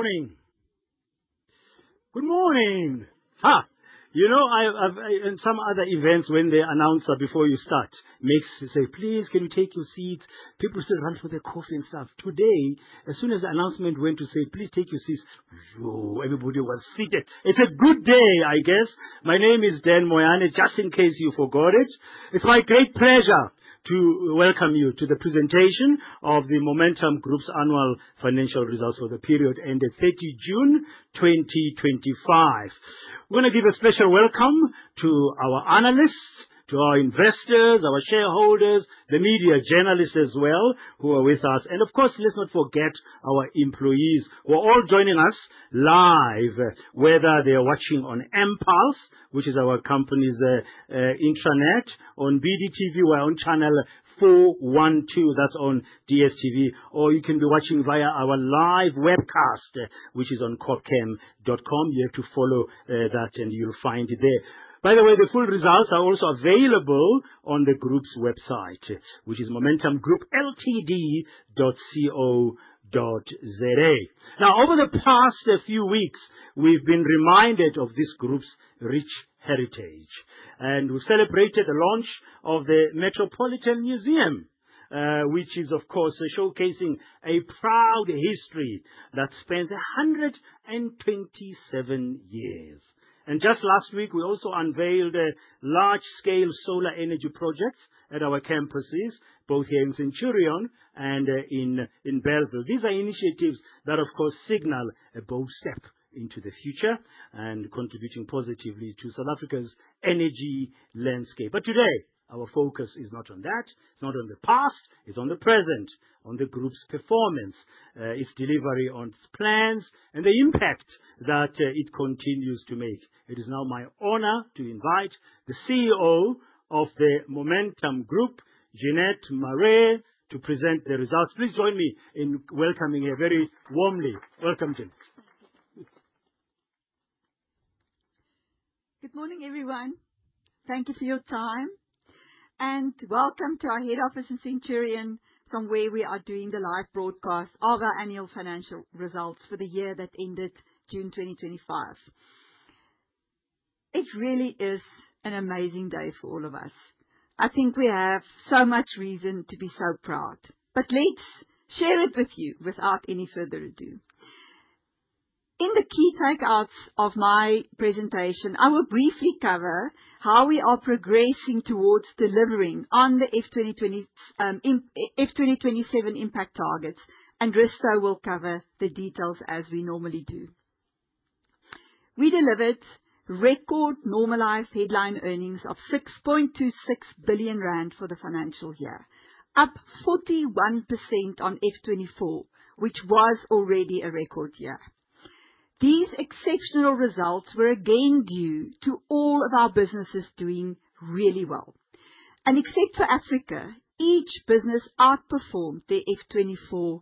Morning. Good morning. Ha. You know, I've and some other events when they announce before you start, makes you say, "Please, can you take your seats?" People still run for their coffee and stuff. Today, as soon as the announcement went to say, "Please take your seats," everybody was seated. It's a good day, I guess. My name is Dan Moyane, just in case you forgot it. It's my great pleasure to welcome you to the presentation of the Momentum Group's Annual Financial Results for the period ended 30 June 2025. We're going to give a special welcome to our analysts, to our investors, our shareholders, the media journalists as well, who are with us. And of course, let's not forget our employees who are all joining us live, whether they are watching on M-Pulse, which is our company's intranet, on BDTV, or on channel 412, that's on DStv. Or you can be watching via our live webcast, which is on corpcam.com. You have to follow that, and you'll find it there. By the way, the full results are also available on the group's website, which is momentumgroupltd.co.za. Now, over the past few weeks, we've been reminded of this group's rich heritage, and we've celebrated the launch of the Metropolitan Museum, which is, of course, showcasing a proud history that spans 127 years. And just last week, we also unveiled large-scale solar energy projects at our campuses, both here in Centurion and in Bellville. These are initiatives that, of course, signal a bold step into the future and contributing positively to South Africa's energy landscape. But today, our focus is not on that. It's not on the past. It's on the present, on the group's performance, its delivery on its plans, and the impact that it continues to make. It is now my honor to invite the CEO of the Momentum Group, Jeanette Marais, to present the results. Please join me in welcoming her very warmly. Welcome, Jeanette. Good morning, everyone. Thank you for your time and welcome to our head office in Centurion, from where we are doing the live broadcast of our annual financial results for the year that ended June 2025. It really is an amazing day for all of us. I think we have so much reason to be so proud, but let's share it with you without any further ado. In the key takeouts of my presentation, I will briefly cover how we are progressing towards delivering on the F2027 impact targets, and Risto will cover the details as we normally do. We delivered record normalized headline earnings of 6.26 billion rand for the financial year, up 41% on F2024, which was already a record year. These exceptional results were again due to all of our businesses doing really well. Except for Africa, each business outperformed their F2024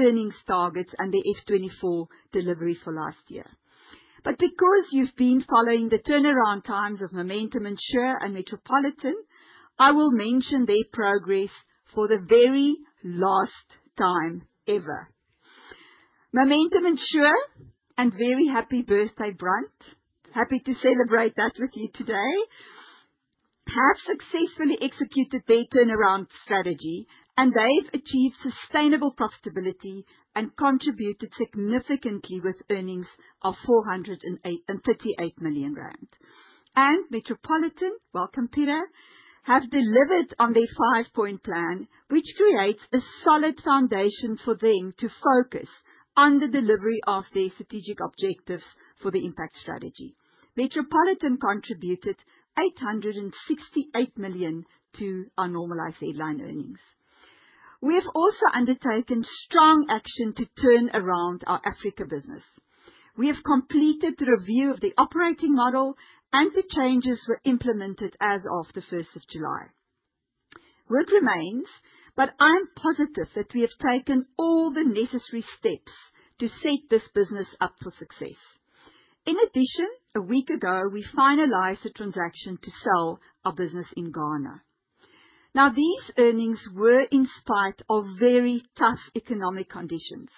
earnings targets and their F2024 delivery for last year. Because you've been following the turnaround times of Momentum Insure and Metropolitan, I will mention their progress for the very last time ever. Momentum Insure, and very happy birthday, Brand. Happy to celebrate that with you today, have successfully executed their turnaround strategy, and they've achieved sustainable profitability and contributed significantly with earnings of 438 million rand. Metropolitan, welcome, Peter, have delivered on their five-point plan, which creates a solid foundation for them to focus on the delivery of their strategic objectives for the impact strategy. Metropolitan contributed 868 million to our normalized headline earnings. We have also undertaken strong action to turn around our Africa business. We have completed the review of the operating model, and the changes were implemented as of the 1st of July. Work remains, but I'm positive that we have taken all the necessary steps to set this business up for success. In addition, a week ago, we finalized a transaction to sell our business in Ghana. Now, these earnings were in spite of very tough economic conditions,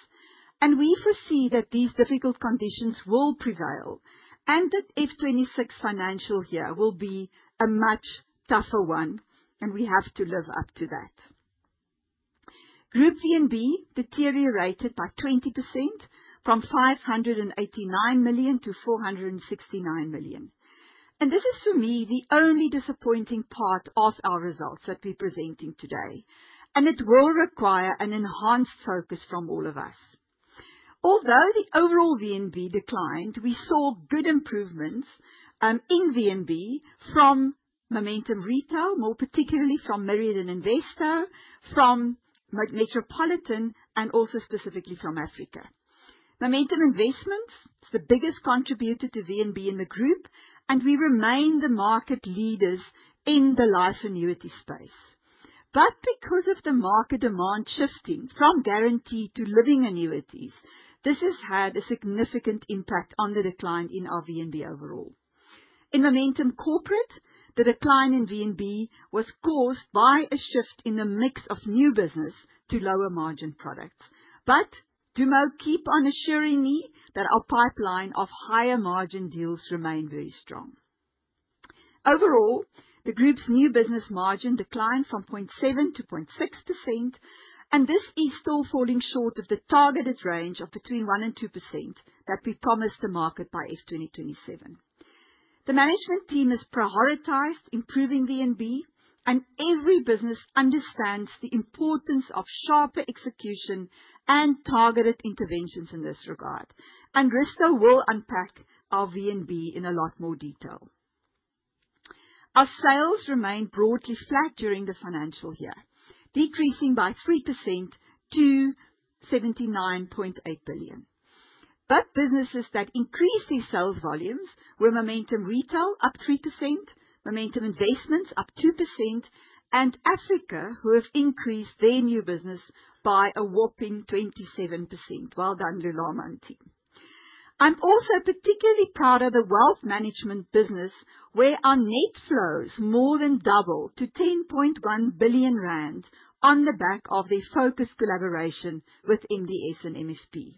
and we foresee that these difficult conditions will prevail and that F2026 financial year will be a much tougher one, and we have to live up to that. Group VNB deteriorated by 20% from 589 million to 469 million, and this is, for me, the only disappointing part of our results that we're presenting today, and it will require an enhanced focus from all of us. Although the overall VNB declined, we saw good improvements in VNB from Momentum Retail, more particularly from Myriad and Investo, from Metropolitan, and also specifically from Africa. Momentum Investments is the biggest contributor to VNB in the group, and we remain the market leaders in the life annuity space. But because of the market demand shifting from guarantee to living annuities, this has had a significant impact on the decline in our VNB overall. In Momentum Corporate, the decline in VNB was caused by a shift in the mix of new business to lower margin products. But Dumo keep on assuring me that our pipeline of higher margin deals remained very strong. Overall, the group's new business margin declined from 0.7% to 0.6%, and this is still falling short of the targeted range of between 1% and 2% that we promised the market by FY2027. The management team is prioritized improving VNB, and every business understands the importance of sharper execution and targeted interventions in this regard. Risto will unpack our VNB in a lot more detail. Our sales remained broadly flat during the financial year, decreasing by 3% to 79.8 billion. But businesses that increased their sales volumes were Momentum Retail, up 3%, Momentum Investments, up 2%, and Africa, who have increased their new business by a whopping 27%. Well done, Dumo and team. I'm also particularly proud of the wealth management business, where our net flows more than doubled to 10.1 billion rand on the back of their focused collaboration with MDS and MFP.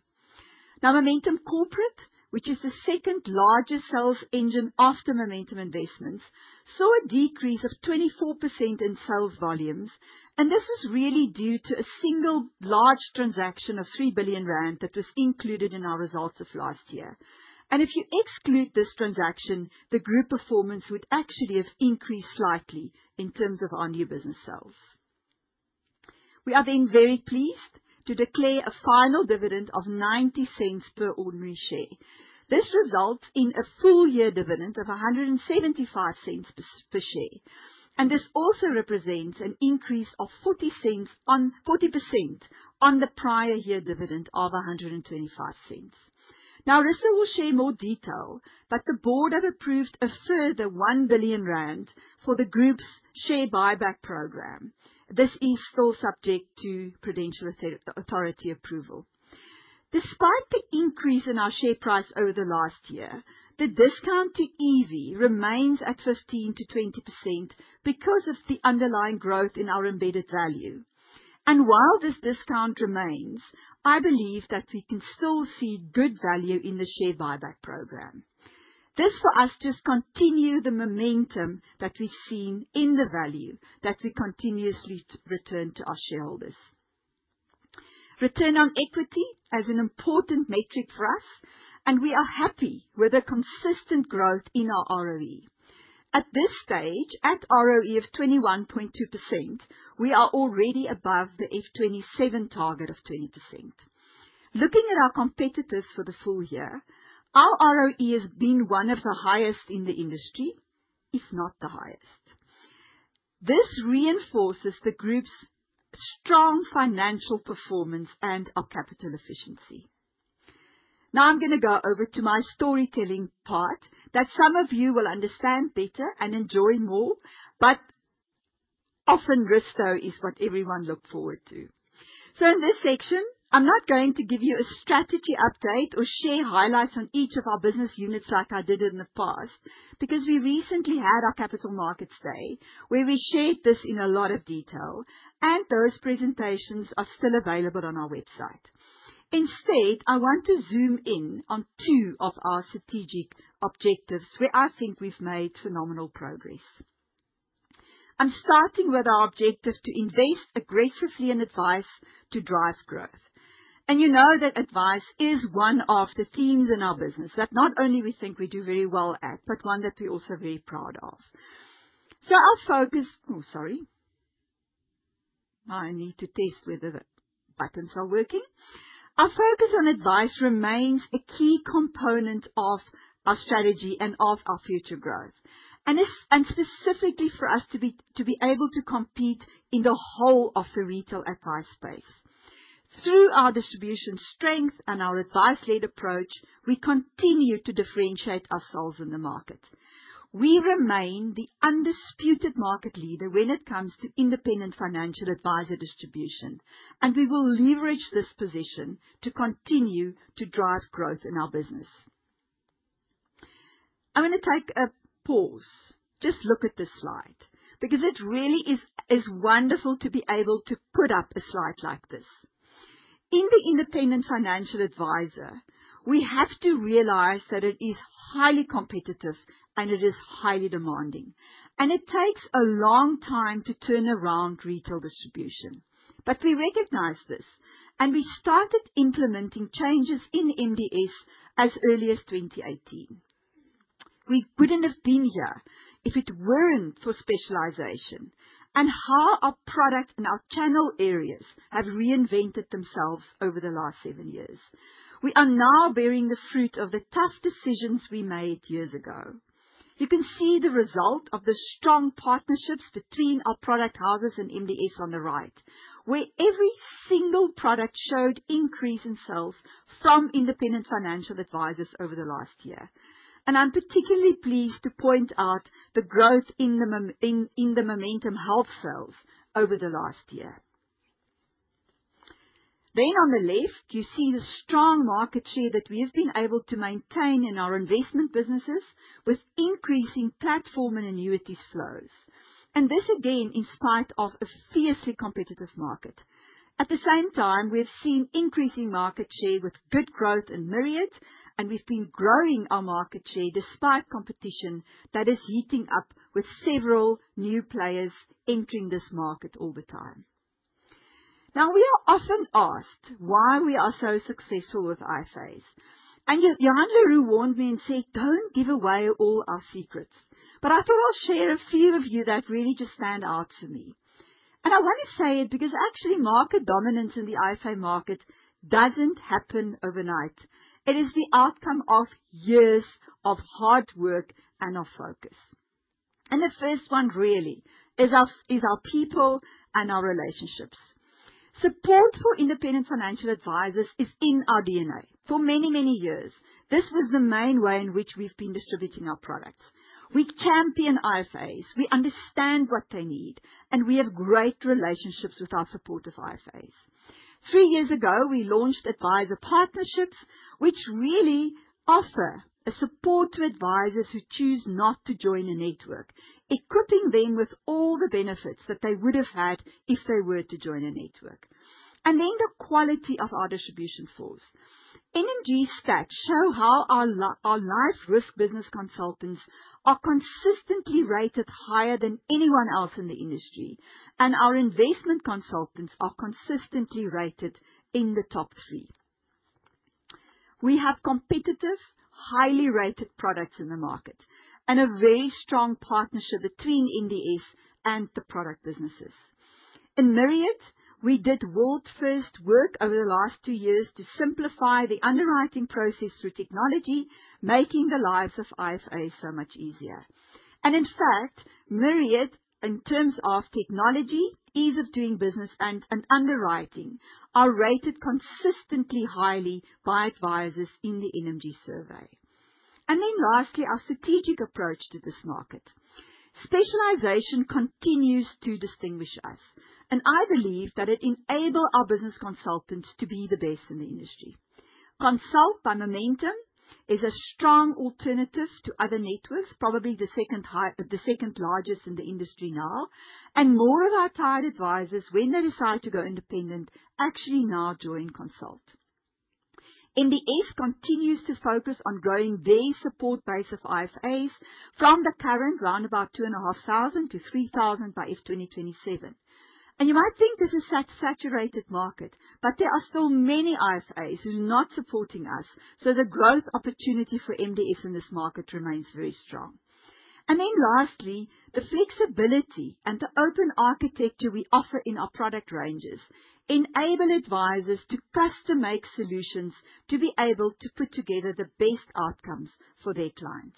Now, Momentum Corporate, which is the second largest sales engine after Momentum Investments, saw a decrease of 24% in sales volumes, and this was really due to a single large transaction of 3 billion rand that was included in our results of last year. If you exclude this transaction, the group performance would actually have increased slightly in terms of our new business sales. We are then very pleased to declare a final dividend of 0.90 per ordinary share. This results in a full year dividend of 1.75 per share. This also represents an increase of 40% on the prior year dividend of 1.25. Now, Risto will share more detail, but the board have approved a further 1 billion rand for the group's share buyback program. This is still subject to Prudential Authority approval. Despite the increase in our share price over the last year, the discount to EV remains at 15%-20% because of the underlying growth in our embedded value. While this discount remains, I believe that we can still see good value in the share buyback program. This, for us, just continues the momentum that we've seen in the value that we continuously return to our shareholders. Return on equity is an important metric for us, and we are happy with a consistent growth in our ROE. At this stage, at ROE of 21.2%, we are already above the F2027 target of 20%. Looking at our competitors for the full year, our ROE has been one of the highest in the industry, if not the highest. This reinforces the group's strong financial performance and our capital efficiency. Now, I'm going to go over to my storytelling part that some of you will understand better and enjoy more, but often Risto is what everyone looks forward to. So in this section, I'm not going to give you a strategy update or share highlights on each of our business units like I did in the past, because we recently had our Capital Markets Day, where we shared this in a lot of detail, and those presentations are still available on our website. Instead, I want to zoom in on two of our strategic objectives where I think we've made phenomenal progress. I'm starting with our objective to invest aggressively in advice to drive growth, and you know that advice is one of the themes in our business that not only we think we do very well at, but one that we're also very proud of. So I'll focus, oh, sorry. I need to test whether the buttons are working. Our focus on advice remains a key component of our strategy and of our future growth, and specifically for us to be able to compete in the whole of the retail advice space. Through our distribution strength and our advice-led approach, we continue to differentiate ourselves in the market. We remain the undisputed market leader when it comes to independent financial advisor distribution, and we will leverage this position to continue to drive growth in our business. I'm going to take a pause. Just look at this slide, because it really is wonderful to be able to put up a slide like this. In the independent financial advisor, we have to realize that it is highly competitive and it is highly demanding, and it takes a long time to turn around retail distribution. But we recognize this, and we started implementing changes in MDS as early as 2018. We wouldn't have been here if it weren't for specialization and how our product and our channel areas have reinvented themselves over the last seven years. We are now bearing the fruit of the tough decisions we made years ago. You can see the result of the strong partnerships between our product houses and MDS on the right, where every single product showed increase in sales from independent financial advisors over the last year, and I'm particularly pleased to point out the growth in the Momentum Health sales over the last year. Then on the left, you see the strong market share that we have been able to maintain in our investment businesses with increasing platform and annuities flows. And this again in spite of a fiercely competitive market. At the same time, we've seen increasing market share with good growth in Myriad, and we've been growing our market share despite competition that is heating up with several new players entering this market all the time. Now, we are often asked why we are so successful with IFAs. And Johann le Roux warned me and said, "Don't give away all our secrets." But I thought I'll share a few with you that really just stand out to me. And I want to say it because actually market dominance in the IFA market doesn't happen overnight. It is the outcome of years of hard work and of focus. And the first one really is our people and our relationships. Support for independent financial advisors is in our DNA. For many, many years, this was the main way in which we've been distributing our products. We champion IFAs. We understand what they need, and we have great relationships with our support of IFAs. Three years ago, we launched advisor partnerships, which really offer support to advisors who choose not to join a network, equipping them with all the benefits that they would have had if they were to join a network, and then the quality of our distribution falls. NMG stats show how our life risk business consultants are consistently rated higher than anyone else in the industry, and our investment consultants are consistently rated in the top three. We have competitive, highly rated products in the market and a very strong partnership between MDS and the product businesses. In Myriad, we did world-first work over the last two years to simplify the underwriting process through technology, making the lives of IFAs so much easier. And in fact, Myriad, in terms of technology, ease of doing business, and underwriting, are rated consistently highly by advisors in the NMG survey. And then lastly, our strategic approach to this market. Specialization continues to distinguish us, and I believe that it enables our business consultants to be the best in the industry. Consult by Momentum is a strong alternative to other networks, probably the second largest in the industry now, and more of our tied advisors, when they decide to go independent, actually now join Consult. MDS continues to focus on growing their support base of IFAs from the current roundabout 2,500 to 3,000 by FY2027. And you might think this is a saturated market, but there are still many IFAs who are not supporting us, so the growth opportunity for MDS in this market remains very strong. And then lastly, the flexibility and the open architecture we offer in our product ranges enable advisors to custom-make solutions to be able to put together the best outcomes for their clients.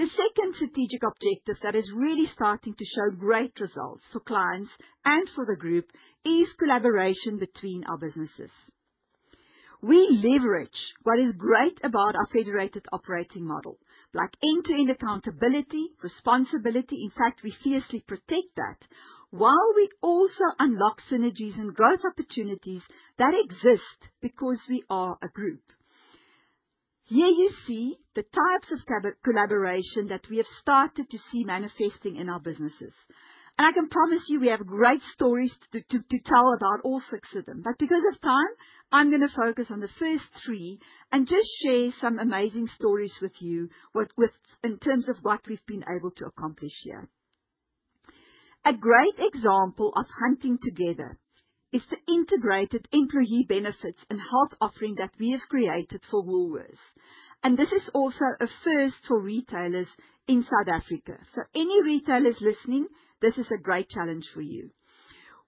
The second strategic objective that is really starting to show great results for clients and for the group is collaboration between our businesses. We leverage what is great about our federated operating model, like end-to-end accountability, responsibility. In fact, we fiercely protect that while we also unlock synergies and growth opportunities that exist because we are a group. Here you see the types of collaboration that we have started to see manifesting in our businesses. And I can promise you we have great stories to tell about all six of them. But because of time, I'm going to focus on the first three and just share some amazing stories with you in terms of what we've been able to accomplish here. A great example of hunting together is the integrated employee benefits and health offering that we have created for Woolworths. And this is also a first for retailers in South Africa. So any retailers listening, this is a great challenge for you.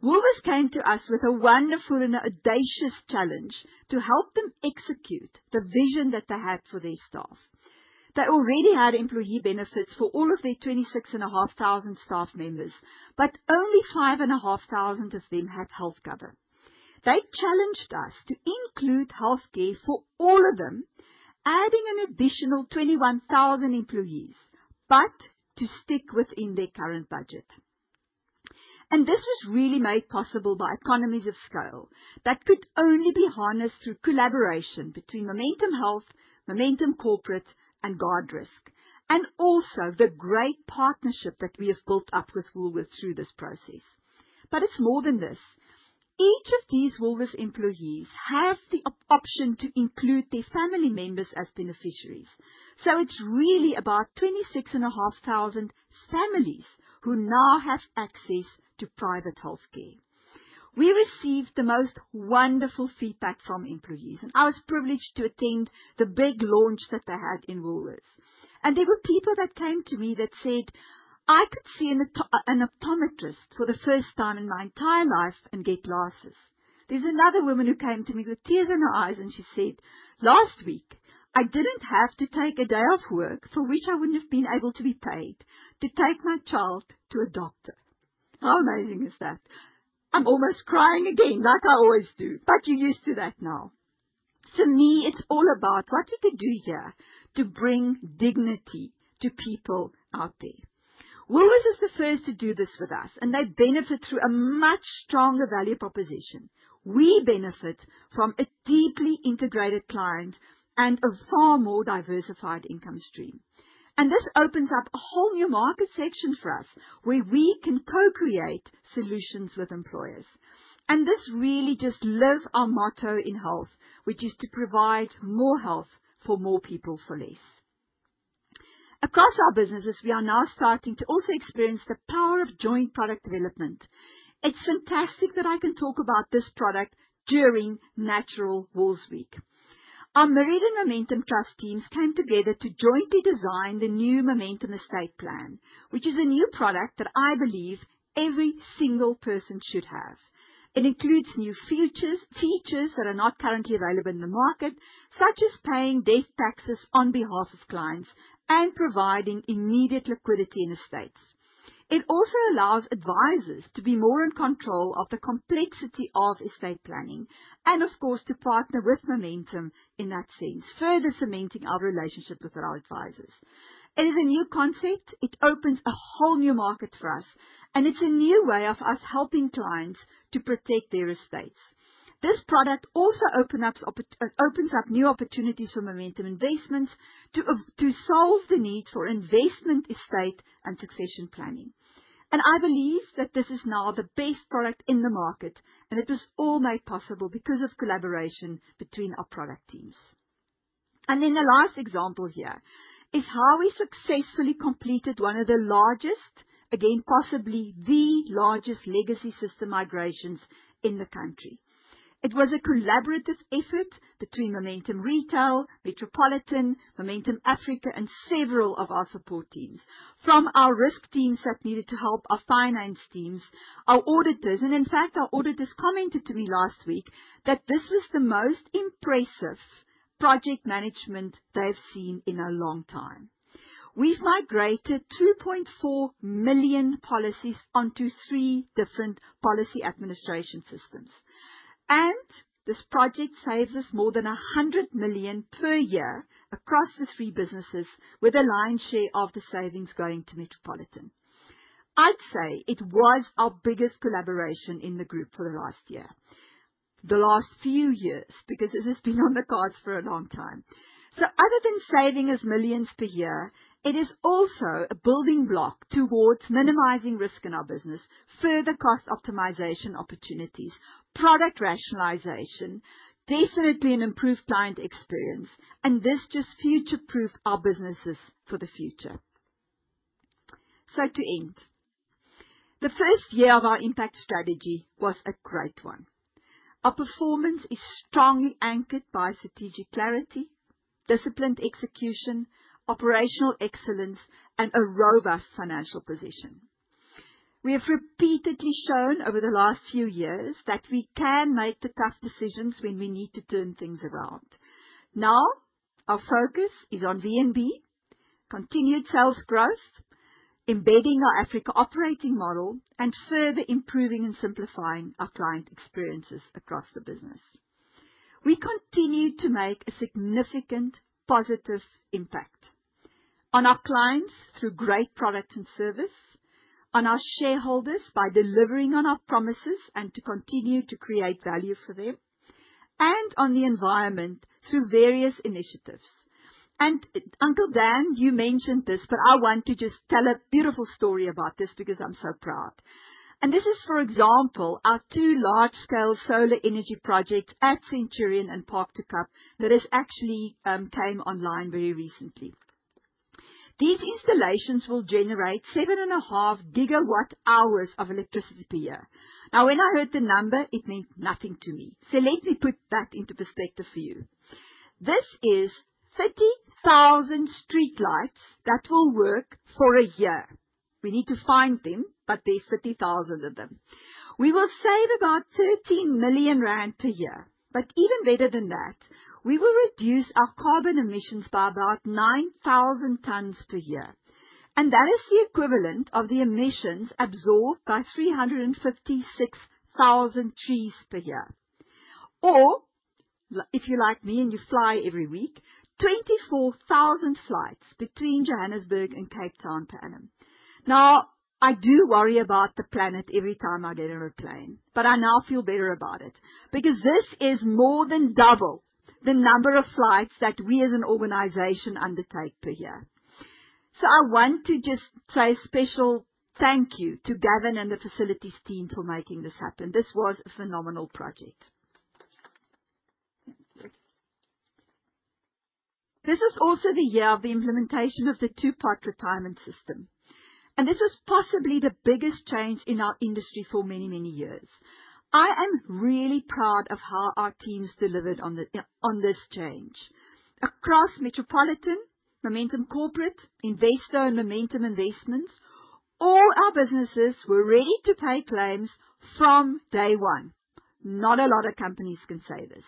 Woolworths came to us with a wonderful and audacious challenge to help them execute the vision that they had for their staff. They already had employee benefits for all of their 26,500 staff members, but only 5,500 of them had health cover. They challenged us to include healthcare for all of them, adding an additional 21,000 employees, but to stick within their current budget. This was really made possible by economies of scale that could only be harnessed through collaboration between Momentum Health, Momentum Corporate, and Guardrisk, and also the great partnership that we have built up with Woolworths through this process. But it's more than this. Each of these Woolworths employees has the option to include their family members as beneficiaries. So it's really about 26,500 families who now have access to private healthcare. We received the most wonderful feedback from employees, and I was privileged to attend the big launch that they had in Woolworths. There were people that came to me that said, "I could see an optometrist for the first time in my entire life and get glasses." There's another woman who came to me with tears in her eyes, and she said, "Last week, I didn't have to take a day off work for which I wouldn't have been able to be paid to take my child to a doctor." How amazing is that? I'm almost crying again, like I always do, but you're used to that now. For me, it's all about what we could do here to bring dignity to people out there. Woolworths is the first to do this with us, and they benefit through a much stronger value proposition. We benefit from a deeply integrated client and a far more diversified income stream. And this opens up a whole new market section for us where we can co-create solutions with employers. And this really just lives our motto in health, which is to provide more health for more people for less. Across our businesses, we are now starting to also experience the power of joint product development. It's fantastic that I can talk about this product during Woolworths Week. Our Myriad and Momentum Trust teams came together to jointly design the new Momentum Estate Plan, which is a new product that I believe every single person should have. It includes new features that are not currently available in the market, such as paying death taxes on behalf of clients and providing immediate liquidity in estates. It also allows advisors to be more in control of the complexity of estate planning and, of course, to partner with Momentum in that sense, further cementing our relationship with our advisors. It is a new concept. It opens a whole new market for us, and it's a new way of us helping clients to protect their estates. This product also opens up new opportunities for Momentum Investments to solve the need for investment estate and succession planning. And I believe that this is now the best product in the market, and it was all made possible because of collaboration between our product teams. And then the last example here is how we successfully completed one of the largest, again, possibly the largest legacy system migrations in the country. It was a collaborative effort between Momentum Retail, Metropolitan, Momentum Africa, and several of our support teams. From our risk teams that needed to help our finance teams, our auditors, and in fact, our auditors commented to me last week that this was the most impressive project management they've seen in a long time. We've migrated 2.4 million policies onto three different policy administration systems. And this project saves us more than 100 million per year across the three businesses with a lion's share of the savings going to Metropolitan. I'd say it was our biggest collaboration in the group for the last year, the last few years, because it has been on the cards for a long time. So other than saving us millions per year, it is also a building block towards minimizing risk in our business, further cost optimization opportunities, product rationalization, definitely an improved client experience, and this just future-proofs our businesses for the future. So to end, the first year of our impact strategy was a great one. Our performance is strongly anchored by strategic clarity, disciplined execution, operational excellence, and a robust financial position. We have repeatedly shown over the last few years that we can make the tough decisions when we need to turn things around. Now, our focus is on V&B, continued sales growth, embedding our Africa operating model, and further improving and simplifying our client experiences across the business. We continue to make a significant positive impact on our clients through great product and service, on our shareholders by delivering on our promises and to continue to create value for them, and on the environment through various initiatives, and Uncle Dan, you mentioned this, but I want to just tell a beautiful story about this because I'm so proud. This is, for example, our two large-scale solar energy projects at Centurion and Parc du Cap that actually came online very recently. These installations will generate 7.5 gigawatt-hours of electricity per year. Now, when I heard the number, it meant nothing to me. So let me put that into perspective for you. This is 30,000 streetlights that will work for a year. We need to find them, but there are 30,000 of them. We will save about 13 million rand per year. But even better than that, we will reduce our carbon emissions by about 9,000 tons per year. And that is the equivalent of the emissions absorbed by 356,000 trees per year. Or, if you're like me and you fly every week, 24,000 flights between Johannesburg and Cape Town to and from. Now, I do worry about the planet every time I get on a plane, but I now feel better about it because this is more than double the number of flights that we as an organization undertake per year. So I want to just say a special thank you to Gavin and the facilities team for making this happen. This was a phenomenal project. This is also the year of the implementation of the Two-Pot Retirement System, and this was possibly the biggest change in our industry for many, many years. I am really proud of how our teams delivered on this change. Across Metropolitan, Momentum Corporate, Investo, and Momentum Investments, all our businesses were ready to pay claims from day one. Not a lot of companies can say this.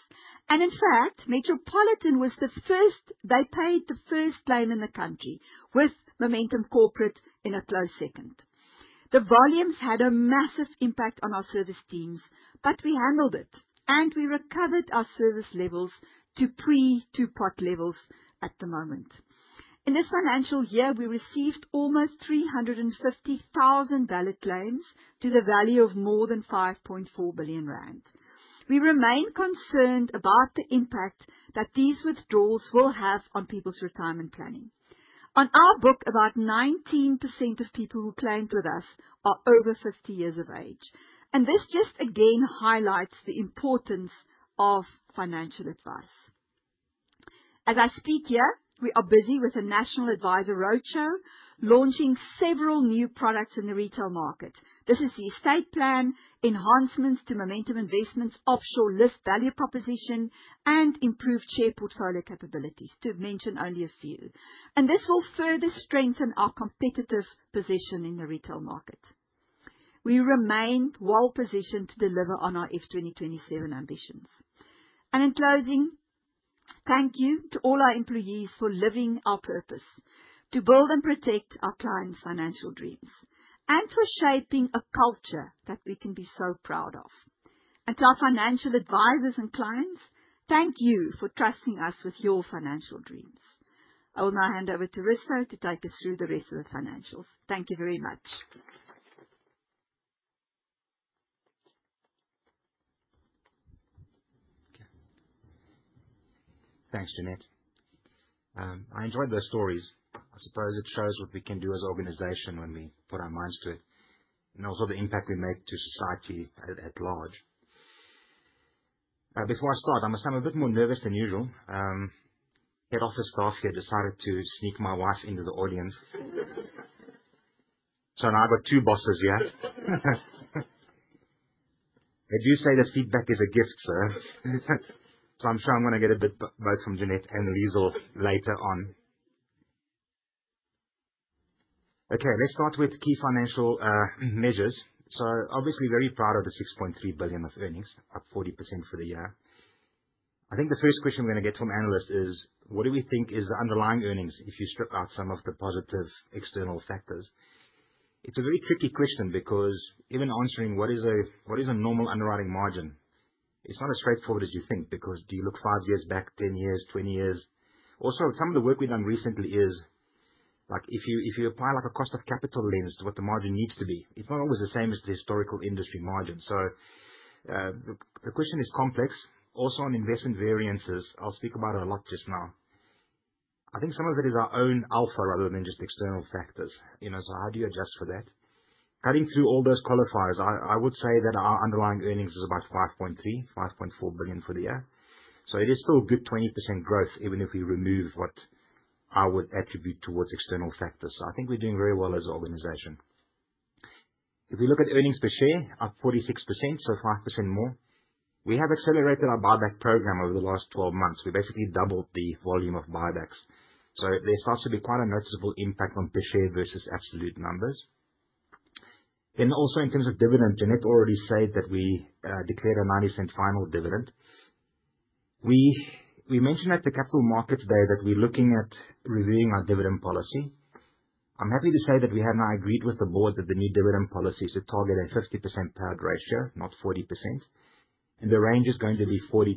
In fact, Metropolitan was the first. They paid the first claim in the country with Momentum Corporate in a close second. The volumes had a massive impact on our service teams, but we handled it, and we recovered our service levels to pre-Two-Pot levels at the moment. In this financial year, we received almost 350,000 valid claims to the value of more than 5.4 billion rand. We remain concerned about the impact that these withdrawals will have on people's retirement planning. On our book, about 19% of people who claimed with us are over 50 years of age. This just again highlights the importance of financial advice. As I speak here, we are busy with a national advisor roadshow launching several new products in the retail market. This is the estate plan, enhancements to Momentum Investments' offshore LISP value proposition, and improved share portfolio capabilities, to mention only a few. And this will further strengthen our competitive position in the retail market. We remain well-positioned to deliver on our F2027 ambitions. And in closing, thank you to all our employees for living our purpose, to build and protect our clients' financial dreams, and for shaping a culture that we can be so proud of. And to our financial advisors and clients, thank you for trusting us with your financial dreams. I will now hand over to Risto to take us through the rest of the financials. Thank you very much. Thanks, Jeanette. I enjoyed those stories. I suppose it shows what we can do as an organization when we put our minds to it and also the impact we make to society at large. Before I start, I must say I'm a bit more nervous than usual. Head office staff here decided to sneak my wife into the audience. So now I've got two bosses here. They do say that feedback is a gift, sir. So I'm sure I'm going to get a bit both from Jeanette and Liesel later on. Okay, let's start with key financial measures. So obviously, very proud of the 6.3 billion of earnings, up 40% for the year. I think the first question we're going to get from analysts is, what do we think is the underlying earnings if you strip out some of the positive external factors? It's a very tricky question because even answering what is a normal underwriting margin, it's not as straightforward as you think because do you look five years back, 10 years, 20 years? Also, some of the work we've done recently is, if you apply a cost of capital lens to what the margin needs to be, it's not always the same as the historical industry margin. So the question is complex. Also, on investment variances, I'll speak about it a lot just now. I think some of it is our own alpha rather than just external factors. So how do you adjust for that? Cutting through all those qualifiers, I would say that our underlying earnings is about 5.3-5.4 billion for the year. So it is still a good 20% growth, even if we remove what I would attribute towards external factors. So I think we're doing very well as an organization. If we look at earnings per share, up 46%, so 5% more. We have accelerated our buyback program over the last 12 months. We basically doubled the volume of buybacks, so there starts to be quite a noticeable impact on per share versus absolute numbers. Then also, in terms of dividend, Jeanette already said that we declared a 0.90 final dividend. We mentioned at the Capital Markets Day today that we're looking at reviewing our dividend policy. I'm happy to say that we have now agreed with the board that the new dividend policy is to target a 50% payout ratio, not 40%, and the range is going to be 40%-60%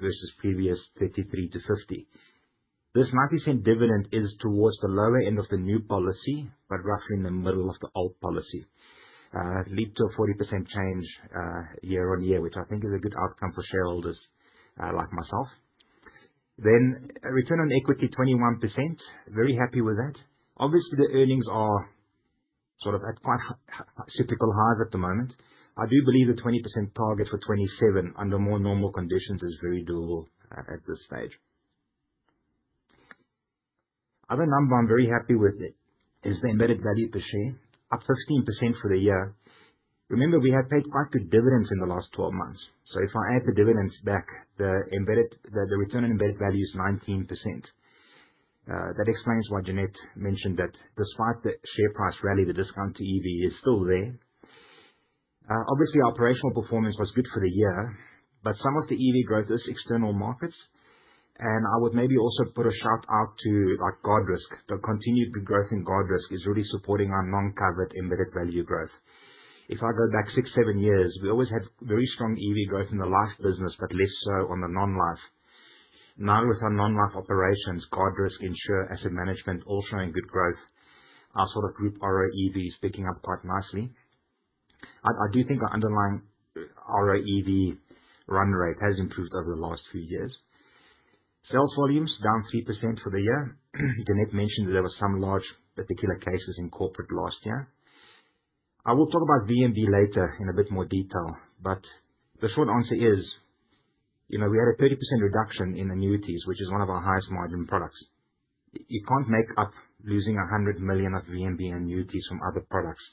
versus previous 33%-50%. This 0.90 dividend is towards the lower end of the new policy, but roughly in the middle of the old policy. It leads to a 40% change year-on-year, which I think is a good outcome for shareholders like myself. Then return on equity, 21%. Very happy with that. Obviously, the earnings are sort of at quite cyclical highs at the moment. I do believe the 20% target for 2027 under more normal conditions is very doable at this stage. Other number I'm very happy with is the embedded value per share, up 15% for the year. Remember, we have paid quite good dividends in the last 12 months. So if I add the dividends back, the return on embedded value is 19%. That explains why Jeanette mentioned that despite the share price rally, the discount to EV is still there. Obviously, operational performance was good for the year, but some of the EV growth is external markets. I would maybe also put a shout out to Guardrisk. The continued growth in Guardrisk is really supporting our non-covered embedded value growth. If I go back six, seven years, we always had very strong EV growth in the life business, but less so on the non-life. Now, with our non-life operations, Guardrisk, Insure, Asset Management, all showing good growth. Our sort of group ROE EV is picking up quite nicely. I do think our underlying ROE EV run rate has improved over the last few years. Sales volumes down 3% for the year. Jeanette mentioned that there were some large particular cases in corporate last year. I will talk about VNB later in a bit more detail, but the short answer is we had a 30% reduction in annuities, which is one of our highest margin products. You can't make up losing 100 million of VNB annuities from other products.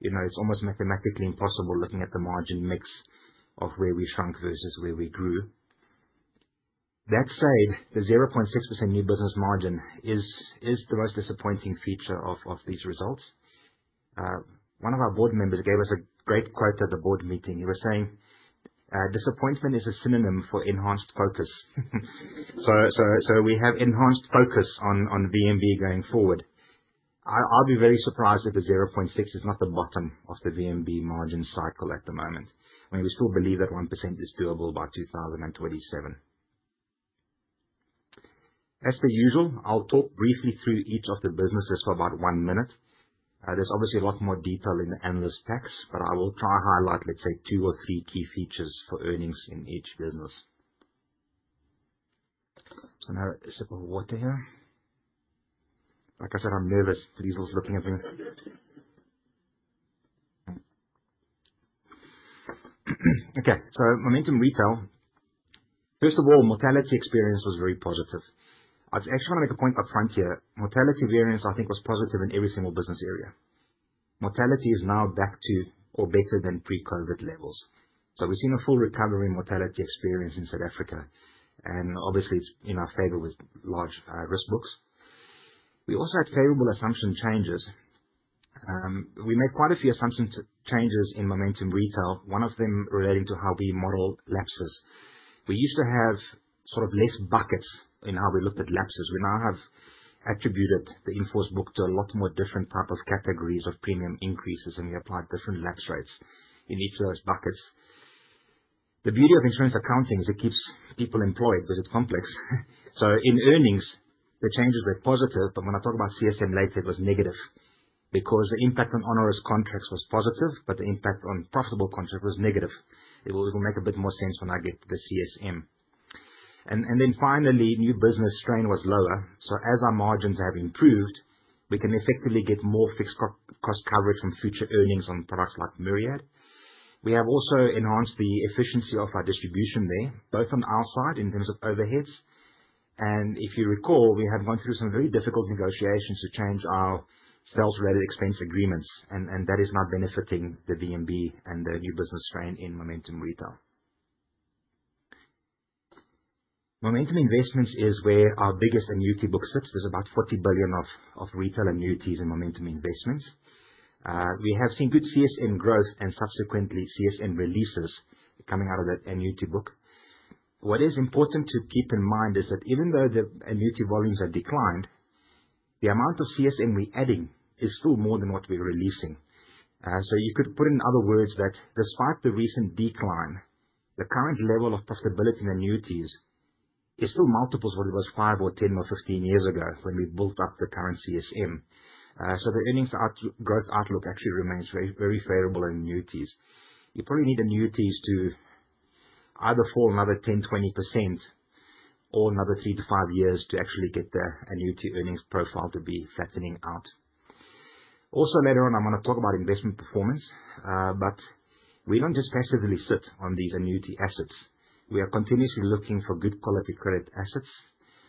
It's almost mathematically impossible looking at the margin mix of where we shrunk versus where we grew. That said, the 0.6% new business margin is the most disappointing feature of these results. One of our board members gave us a great quote at the board meeting. He was saying, "Disappointment is a synonym for enhanced focus." So we have enhanced focus on VNB going forward. I'll be very surprised if the 0.6 is not the bottom of the VNB margin cycle at the moment. I mean, we still believe that 1% is doable by 2027. As per usual, I'll talk briefly through each of the businesses for about one minute. There's obviously a lot more detail in the analyst text, but I will try and highlight, let's say, two or three key features for earnings in each business. So now, a sip of water here. Like I said, I'm nervous. Liesel's looking at me. Okay, so Momentum Retail. First of all, mortality experience was very positive. I actually want to make a point upfront here. Mortality variance, I think, was positive in every single business area. Mortality is now back to or better than pre-COVID levels, so we've seen a full recovery in mortality experience in South Africa, and obviously, it's in our favor with large risk books. We also had favorable assumption changes. We made quite a few assumption changes in Momentum Retail, one of them relating to how we model lapses. We used to have sort of less buckets in how we looked at lapses. We now have attributed the in-force book to a lot more different types of categories of premium increases, and we applied different lapse rates in each of those buckets. The beauty of insurance accounting is it keeps people employed because it's complex. So in earnings, the changes were positive, but when I talk about CSM later, it was negative because the impact on onerous contracts was positive, but the impact on profitable contracts was negative. It will make a bit more sense when I get to the CSM. And then finally, new business strain was lower. So as our margins have improved, we can effectively get more fixed cost coverage from future earnings on products like Myriad. We have also enhanced the efficiency of our distribution there, both on our side in terms of overheads. And if you recall, we have gone through some very difficult negotiations to change our sales-related expense agreements, and that is not benefiting the VNB and the new business strain in Momentum Retail. Momentum Investments is where our biggest annuity book sits. There's about 40 billion of retail annuities in Momentum Investments. We have seen good CSM growth and subsequently CSM releases coming out of that annuity book. What is important to keep in mind is that even though the annuity volumes have declined, the amount of CSM we're adding is still more than what we're releasing. So you could put it in other words that despite the recent decline, the current level of profitability in annuities is still multiples of what it was five or 10 or 15 years ago when we built up the current CSM. So the earnings growth outlook actually remains very favorable in annuities. You probably need annuities to either fall another 10%-20% or another three to five years to actually get the annuity earnings profile to be flattening out. Also, later on, I'm going to talk about investment performance, but we don't just passively sit on these annuity assets. We are continuously looking for good quality credit assets.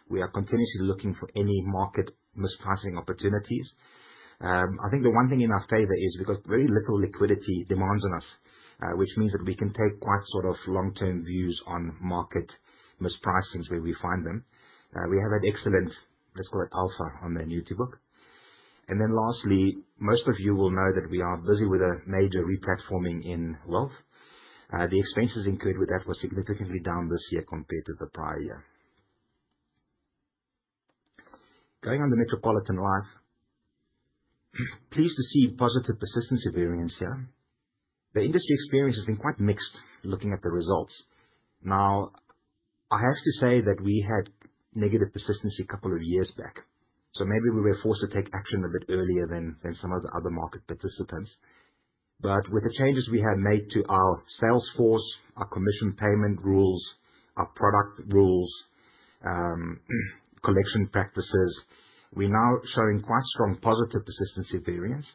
We are continuously looking for any market mispricing opportunities. I think the one thing in our favor is because very little liquidity demands on us, which means that we can take quite sort of long-term views on market mispricings where we find them. We have had excellent, let's call it alpha on the annuity book. And then lastly, most of you will know that we are busy with a major replatforming in wealth. The expenses incurred with that were significantly down this year compared to the prior year. Going on to Metropolitan Life, pleased to see positive persistency variance here. The industry experience has been quite mixed looking at the results. Now, I have to say that we had negative persistency a couple of years back. So maybe we were forced to take action a bit earlier than some of the other market participants. But with the changes we have made to our sales force, our commission payment rules, our product rules, collection practices, we're now showing quite strong positive persistency variance,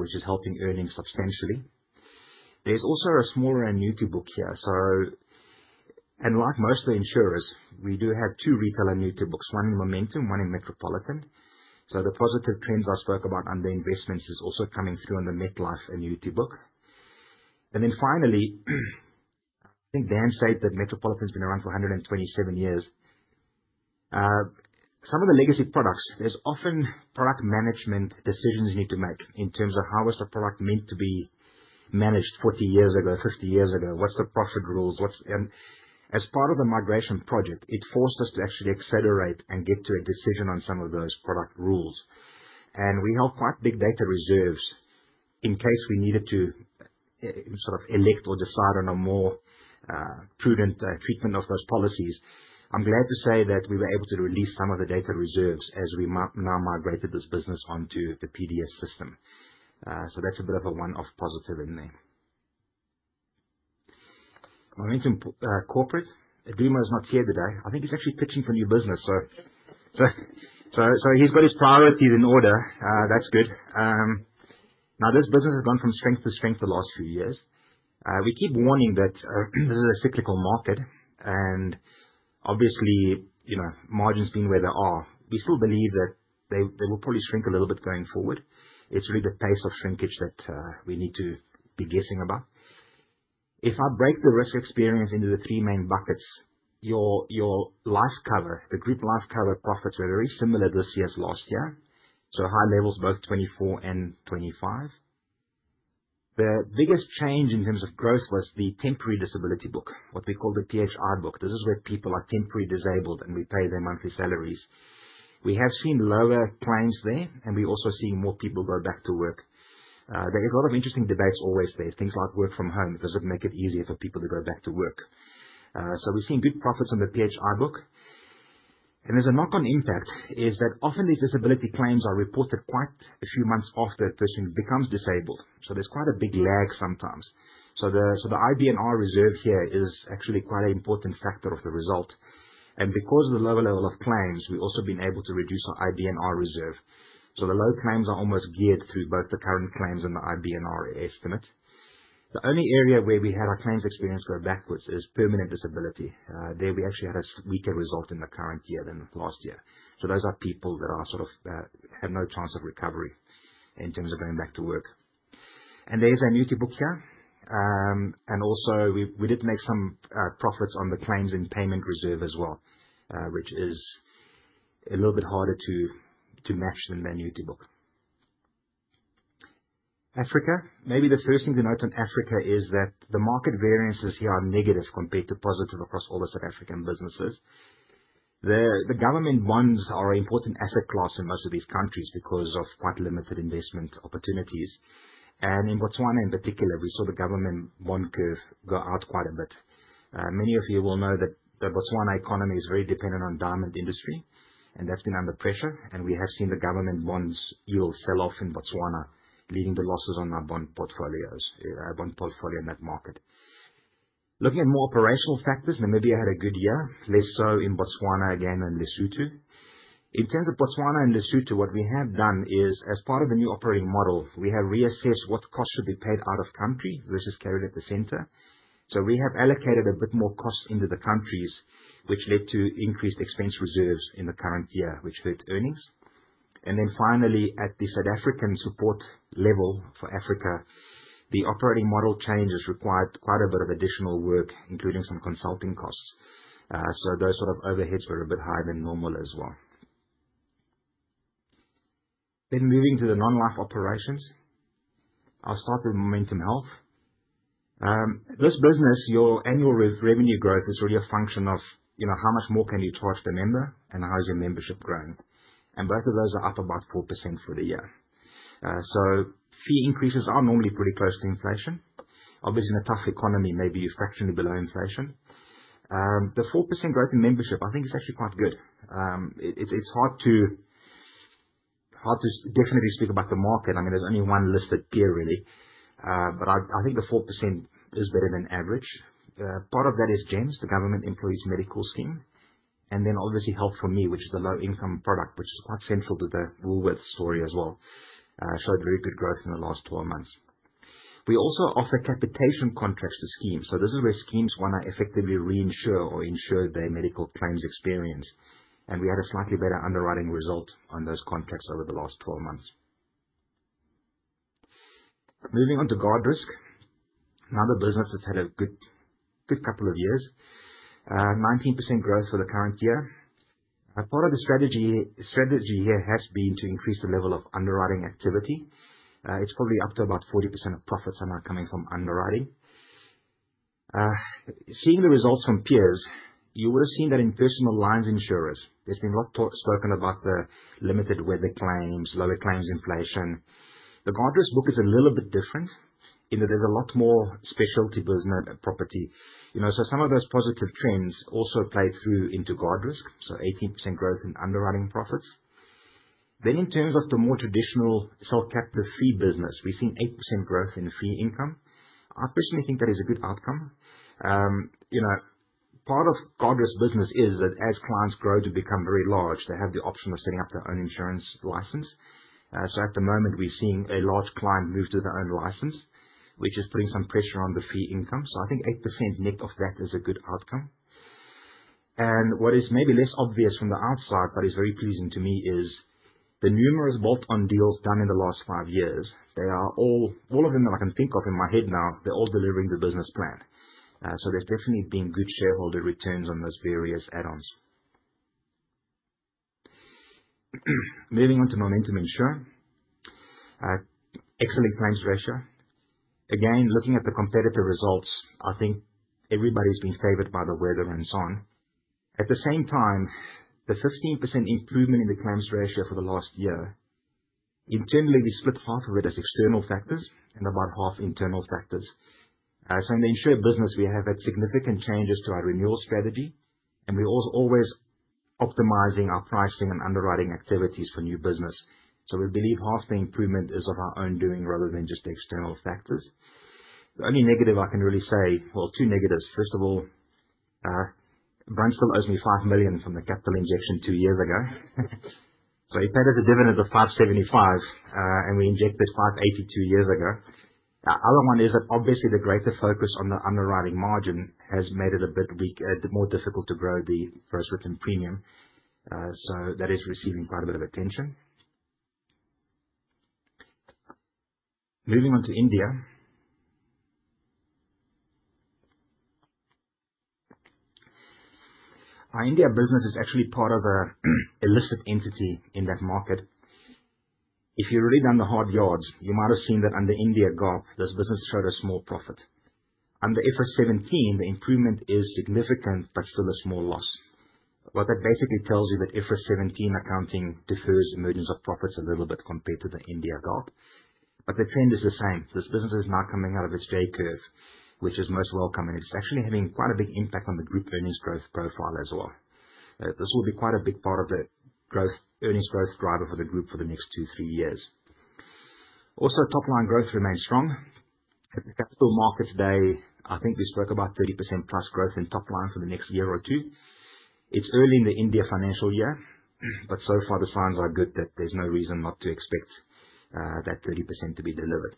which is helping earnings substantially. There's also a smaller annuity book here. So unlike most of the insurers, we do have two retail annuity books, one in Momentum, one in Metropolitan. So the positive trends I spoke about under investments is also coming through on the Metropolitan annuity book. And then finally, I think Dan said that Metropolitan has been around for 127 years. Some of the legacy products, there's often product management decisions you need to make in terms of how was the product meant to be managed 40 years ago, 50 years ago, what's the profit rules. As part of the migration project, it forced us to actually accelerate and get to a decision on some of those product rules. We have quite big data reserves in case we needed to sort of elect or decide on a more prudent treatment of those policies. I'm glad to say that we were able to release some of the data reserves as we now migrated this business onto the PAS system. That's a bit of a one-off positive in there. Momentum Corporate, Dumo is not here today. I think he's actually pitching for new business. He's got his priorities in order. That's good. Now, this business has gone from strength to strength the last few years. We keep warning that this is a cyclical market, and obviously, margins being where they are, we still believe that they will probably shrink a little bit going forward. It's really the pace of shrinkage that we need to be guessing about. If I break the risk experience into the three main buckets, your life cover, the group life cover profits were very similar this year as last year, so high levels, both 24 and 25. The biggest change in terms of growth was the temporary disability book, what we call the DSI book. This is where people are temporary disabled, and we pay their monthly salaries. We have seen lower claims there, and we're also seeing more people go back to work. There's a lot of interesting debates always there. Things like work from home, does it make it easier for people to go back to work? We've seen good profits on the DSI book, and there's a knock-on impact is that often these disability claims are reported quite a few months after a person becomes disabled. There's quite a big lag sometimes. The IBNR reserve here is actually quite an important factor of the result. Because of the lower level of claims, we've also been able to reduce our IBNR reserve. The low claims are almost geared through both the current claims and the IBNR estimate. The only area where we had our claims experience go backwards is permanent disability. There we actually had a weaker result in the current year than last year. Those are people that sort of have no chance of recovery in terms of going back to work. There's annuity book here. Also, we did make some profits on the claims and payment reserve as well, which is a little bit harder to match than the annuity book. Africa, maybe the first thing to note on Africa is that the market variances here are negative compared to positive across all the South African businesses. The government bonds are an important asset class in most of these countries because of quite limited investment opportunities, and in Botswana in particular, we saw the government bond curve go out quite a bit. Many of you will know that the Botswana economy is very dependent on diamond industry, and that's been under pressure, and we have seen the government bonds yield sell-off in Botswana leading the losses on our bond portfolios in that market. Looking at more operational factors, Namibia had a good year, less so in Botswana again and Lesotho. In terms of Botswana and Lesotho, what we have done is, as part of the new operating model, we have reassessed what costs should be paid out of country versus carried at the center. So we have allocated a bit more cost into the countries, which led to increased expense reserves in the current year, which hurt earnings. And then finally, at the South African support level for Africa, the operating model changes required quite a bit of additional work, including some consulting costs. So those sort of overheads were a bit higher than normal as well. Then moving to the non-life operations, I'll start with Momentum Health. This business, your annual revenue growth is really a function of how much more can you charge the member and how is your membership growing. And both of those are up about 4% for the year. So fee increases are normally pretty close to inflation. Obviously, in a tough economy, maybe you're fractionally below inflation. The 4% growth in membership, I think it's actually quite good. It's hard to definitely speak about the market. I mean, there's only one listed peer really, but I think the 4% is better than average. Part of that is GEMS, the government employees' medical scheme. And then obviously Health4Me, which is the low-income product, which is quite central to the Woolworths story as well, showed very good growth in the last 12 months. We also offer capitation contracts to schemes. So this is where schemes want to effectively reinsure or insure their medical claims experience. And we had a slightly better underwriting result on those contracts over the last 12 months. Moving on to Guardrisk, another business that's had a good couple of years, 19% growth for the current year. Part of the strategy here has been to increase the level of underwriting activity. It's probably up to about 40% of profits are now coming from underwriting. Seeing the results from peers, you would have seen that in personal lines insurers. There's been a lot spoken about the limited weather claims, lower claims inflation. The Guardrisk book is a little bit different in that there's a lot more specialty business. Property. So some of those positive trends also played through into Guardrisk, so 18% growth in underwriting profits. Then in terms of the more traditional self-captive fee business, we've seen 8% growth in fee income. I personally think that is a good outcome. Part of Guardrisk business is that as clients grow to become very large, they have the option of setting up their own insurance license, so at the moment, we're seeing a large client move to their own license, which is putting some pressure on the fee income, so I think 8% net of that is a good outcome, and what is maybe less obvious from the outside, but is very pleasing to me, is the numerous bolt-on deals done in the last five years. All of them that I can think of in my head now, they're all delivering the business plan, so there's definitely been good shareholder returns on those various add-ons. Moving on to Momentum Insure, excellent claims ratio. Again, looking at the competitor results, I think everybody's been favored by the weather and so on. At the same time, the 15% improvement in the claims ratio for the last year. Internally, we split half of it as external factors and about half internal factors. So in the insured business, we have had significant changes to our renewal strategy, and we're always optimizing our pricing and underwriting activities for new business. So we believe half the improvement is of our own doing rather than just external factors. The only negative I can really say, well, two negatives. First of all, Brand still owes me five million from the capital injection two years ago. So he paid us a dividend of 575, and we injected 580 two years ago. The other one is that obviously the greater focus on the underwriting margin has made it a bit more difficult to grow the first return premium. So that is receiving quite a bit of attention. Moving on to India. Our India business is actually part of a listed entity in that market. If you've already done the hard yards, you might have seen that under India GAAP, this business showed a small profit. Under IFRS 17, the improvement is significant, but still a small loss. What that basically tells you is that IFRS 17 accounting defers mergings of profits a little bit compared to the India GAAP. But the trend is the same. This business is now coming out of its J-curve, which is most welcome, and it's actually having quite a big impact on the group earnings growth profile as well. This will be quite a big part of the earnings growth driver for the group for the next two, three years. Also, top-line growth remains strong. At the capital markets day, I think we spoke about 30% plus growth in top-line for the next year or two. It's early in the India financial year, but so far the signs are good that there's no reason not to expect that 30% to be delivered.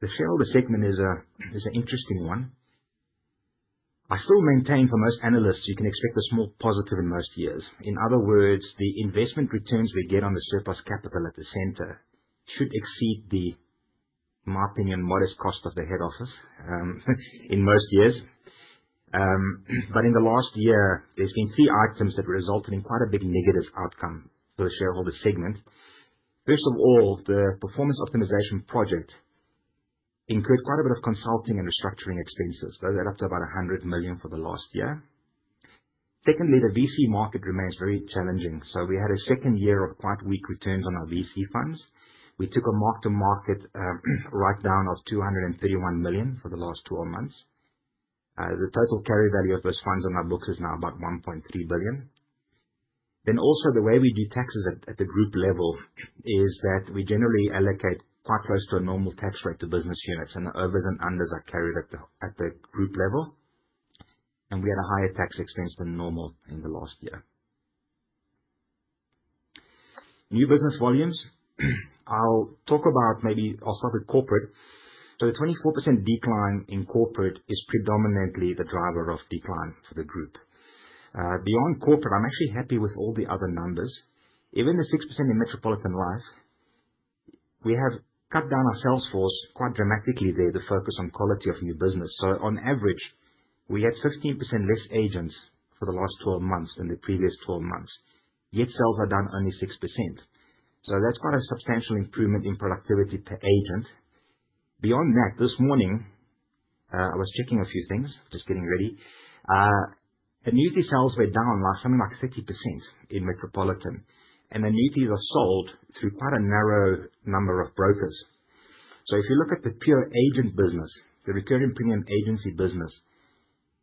The shareholder segment is an interesting one. I still maintain for most analysts, you can expect a small positive in most years. In other words, the investment returns we get on the surplus capital at the center should exceed the, in my opinion, modest cost of the head office in most years. But in the last year, there's been three items that resulted in quite a big negative outcome for the shareholder segment. First of all, the performance optimization project incurred quite a bit of consulting and restructuring expenses. Those add up to about 100 million for the last year. Secondly, the VC market remains very challenging. So we had a second year of quite weak returns on our VC funds. We took a mark-to-market write-down of 231 million for the last 12 months. The total carry value of those funds on our books is now about 1.3 billion. Then also, the way we do taxes at the group level is that we generally allocate quite close to a normal tax rate to business units, and the overs and unders are carried at the group level. And we had a higher tax expense than normal in the last year. New business volumes. I'll talk about maybe I'll start with corporate. So the 24% decline in corporate is predominantly the driver of decline for the group. Beyond corporate, I'm actually happy with all the other numbers. Even the 6% in Metropolitan Life. We have cut down our sales force quite dramatically there. The focus on quality of new business. So on average, we had 15% less agents for the last 12 months than the previous 12 months. Yet sales are down only 6%. So that's quite a substantial improvement in productivity per agent. Beyond that, this morning, I was checking a few things, just getting ready. Annuity sales were down last summer by 30% in Metropolitan, and annuities are sold through quite a narrow number of brokers. So if you look at the pure agent business, the recurring premium agency business,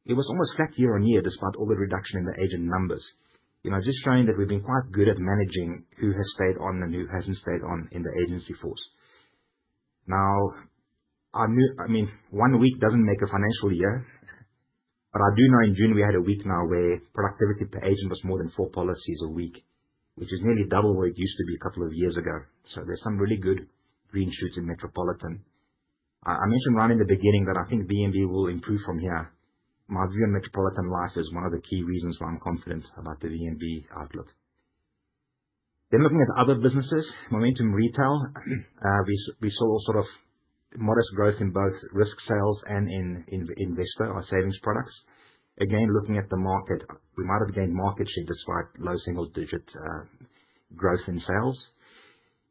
it was almost flat year on year despite all the reduction in the agent numbers. Just showing that we've been quite good at managing who has stayed on and who hasn't stayed on in the agency force. Now, I mean, one week doesn't make a financial year, but I do know in June we had a week now where productivity per agent was more than four policies a week, which is nearly double what it used to be a couple of years ago. So there's some really good green shoots in Metropolitan. I mentioned right in the beginning that I think VNB will improve from here. My view on Metropolitan Life is one of the key reasons why I'm confident about the VNB outlook. Then looking at other businesses, Momentum Retail, we saw all sort of modest growth in both risk sales and in Investo or savings products. Again, looking at the market, we might have gained market share despite low single-digit growth in sales.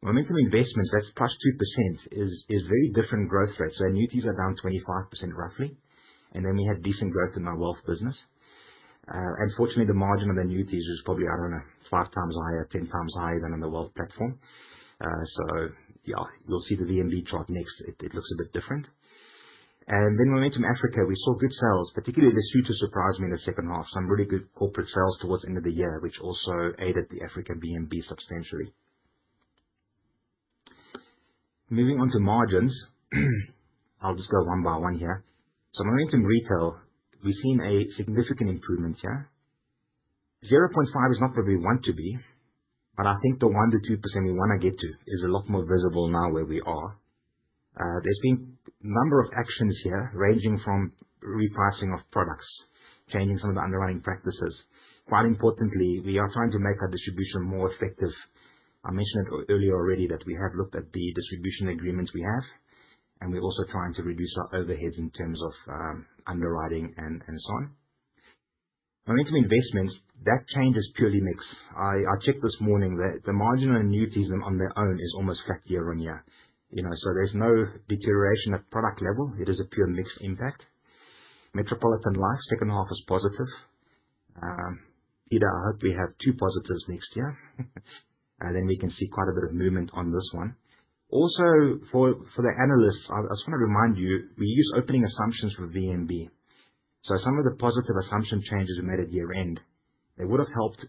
Momentum Investments, that's plus 2%, is very different growth rates. So annuities are down 25% roughly. And then we had decent growth in our wealth business. Unfortunately, the margin of annuities is probably, I don't know, 5 times higher, 10 times higher than on the wealth platform. So yeah, you'll see the VNB chart next. It looks a bit different. And then Momentum Africa, we saw good sales, particularly Lesotho surprised me in the second half. Some really good corporate sales towards the end of the year, which also aided the Africa VNB substantially. Moving on to margins, I'll just go one by one here. So Momentum Retail, we've seen a significant improvement here. 0.5% is not where we want to be, but I think the 1%-2% we want to get to is a lot more visible now where we are. There's been a number of actions here ranging from repricing of products, changing some of the underwriting practices. Quite importantly, we are trying to make our distribution more effective. I mentioned earlier already that we have looked at the distribution agreements we have, and we're also trying to reduce our overheads in terms of underwriting and so on. Momentum Investments, that change is purely mixed. I checked this morning that the margin on annuities on their own is almost flat year on year. So there's no deterioration at product level. It is a pure mixed impact. Metropolitan Life, second half is positive. Peter, I hope we have two positives next year, and then we can see quite a bit of movement on this one. Also, for the analysts, I just want to remind you, we use opening assumptions for VNB. So some of the positive assumption changes we made at year-end, they would have helped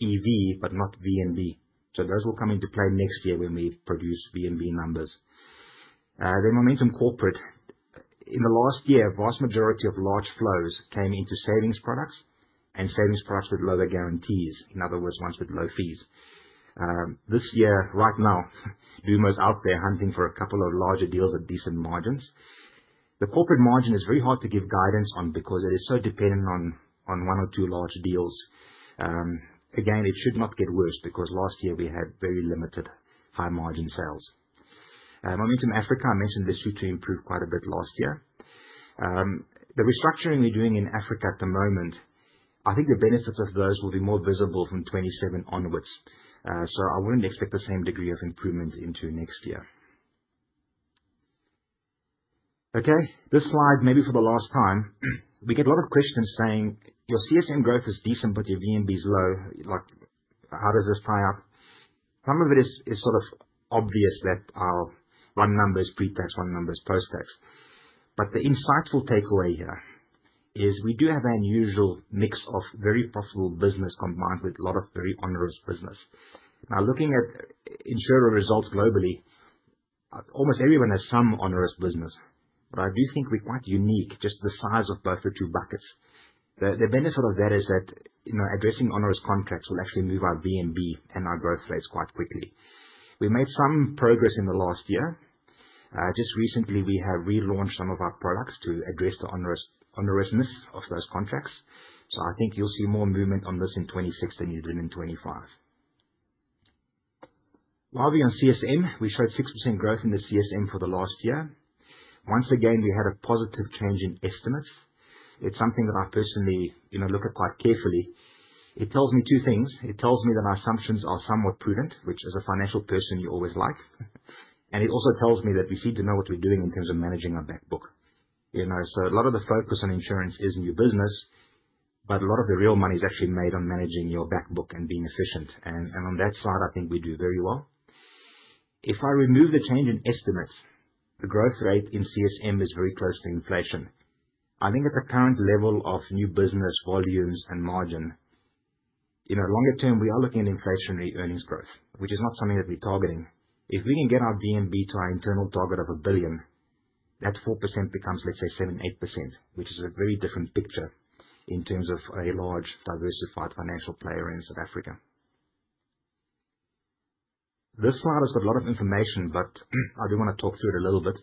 EV, but not VNB. Those will come into play next year when we produce VNB numbers. Then Momentum Corporate, in the last year, vast majority of large flows came into savings products and savings products with lower guarantees, in other words, ones with low fees. This year, right now, brokers out there hunting for a couple of larger deals at decent margins. The corporate margin is very hard to give guidance on because it is so dependent on one or two large deals. Again, it should not get worse because last year we had very limited high-margin sales. Momentum Africa, I mentioned Lesotho improved quite a bit last year. The restructuring we're doing in Africa at the moment, I think the benefits of those will be more visible from 2027 onwards. I wouldn't expect the same degree of improvement into next year. Okay, this slide, maybe for the last time, we get a lot of questions saying, "Your CSM growth is decent, but your VNB is low. How does this tie up?" Some of it is sort of obvious that I'll run numbers pre-tax, run numbers post-tax. But the insightful takeaway here is we do have an unusual mix of very profitable business combined with a lot of very onerous business. Now, looking at insurer results globally, almost everyone has some onerous business, but I do think we're quite unique, just the size of both the two buckets. The benefit of that is that addressing onerous contracts will actually move our VNB and our growth rates quite quickly. We made some progress in the last year. Just recently, we have relaunched some of our products to address the onerousness of those contracts. So I think you'll see more movement on this in 2026 than you did in 2025. While we're on CSM, we showed 6% growth in the CSM for the last year. Once again, we had a positive change in estimates. It's something that I personally look at quite carefully. It tells me two things. It tells me that our assumptions are somewhat prudent, which as a financial person, you always like. And it also tells me that we seem to know what we're doing in terms of managing our backbook. So a lot of the focus on insurance is new business, but a lot of the real money is actually made on managing your backbook and being efficient. And on that side, I think we do very well. If I remove the change in estimates, the growth rate in CSM is very close to inflation. I think at the current level of new business volumes and margin, longer term, we are looking at inflationary earnings growth, which is not something that we're targeting. If we can get our VNB to our internal target of a billion, that 4% becomes, let's say, 7%-8%, which is a very different picture in terms of a large, diversified financial player in South Africa. This slide has got a lot of information, but I do want to talk through it a little bit.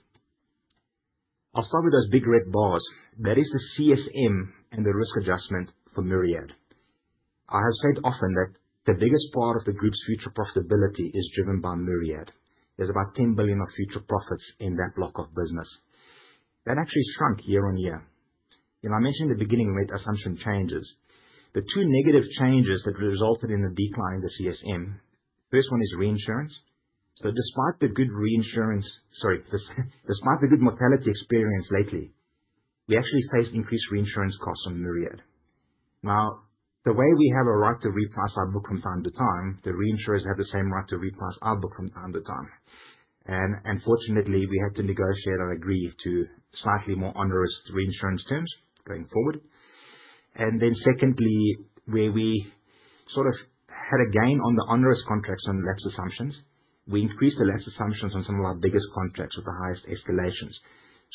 I'll start with those big red bars. That is the CSM and the risk adjustment for Myriad. I have said often that the biggest part of the group's future profitability is driven by Myriad. There's about 10 billion of future profits in that block of business. That actually shrunk year-on-year. I mentioned in the beginning we made assumption changes. The two negative changes that resulted in the decline in the CSM. The first one is reinsurance, so despite the good reinsurance, sorry, despite the good mortality experience lately, we actually faced increased reinsurance costs on Myriad. Now, the way we have a right to reprice our book from time to time, the reinsurers have the same right to reprice our book from time to time, and unfortunately, we had to negotiate or agree to slightly more onerous reinsurance terms going forward, and then secondly, where we sort of had a gain on the onerous contracts on lapse assumptions, we increased the lapse assumptions on some of our biggest contracts with the highest escalations,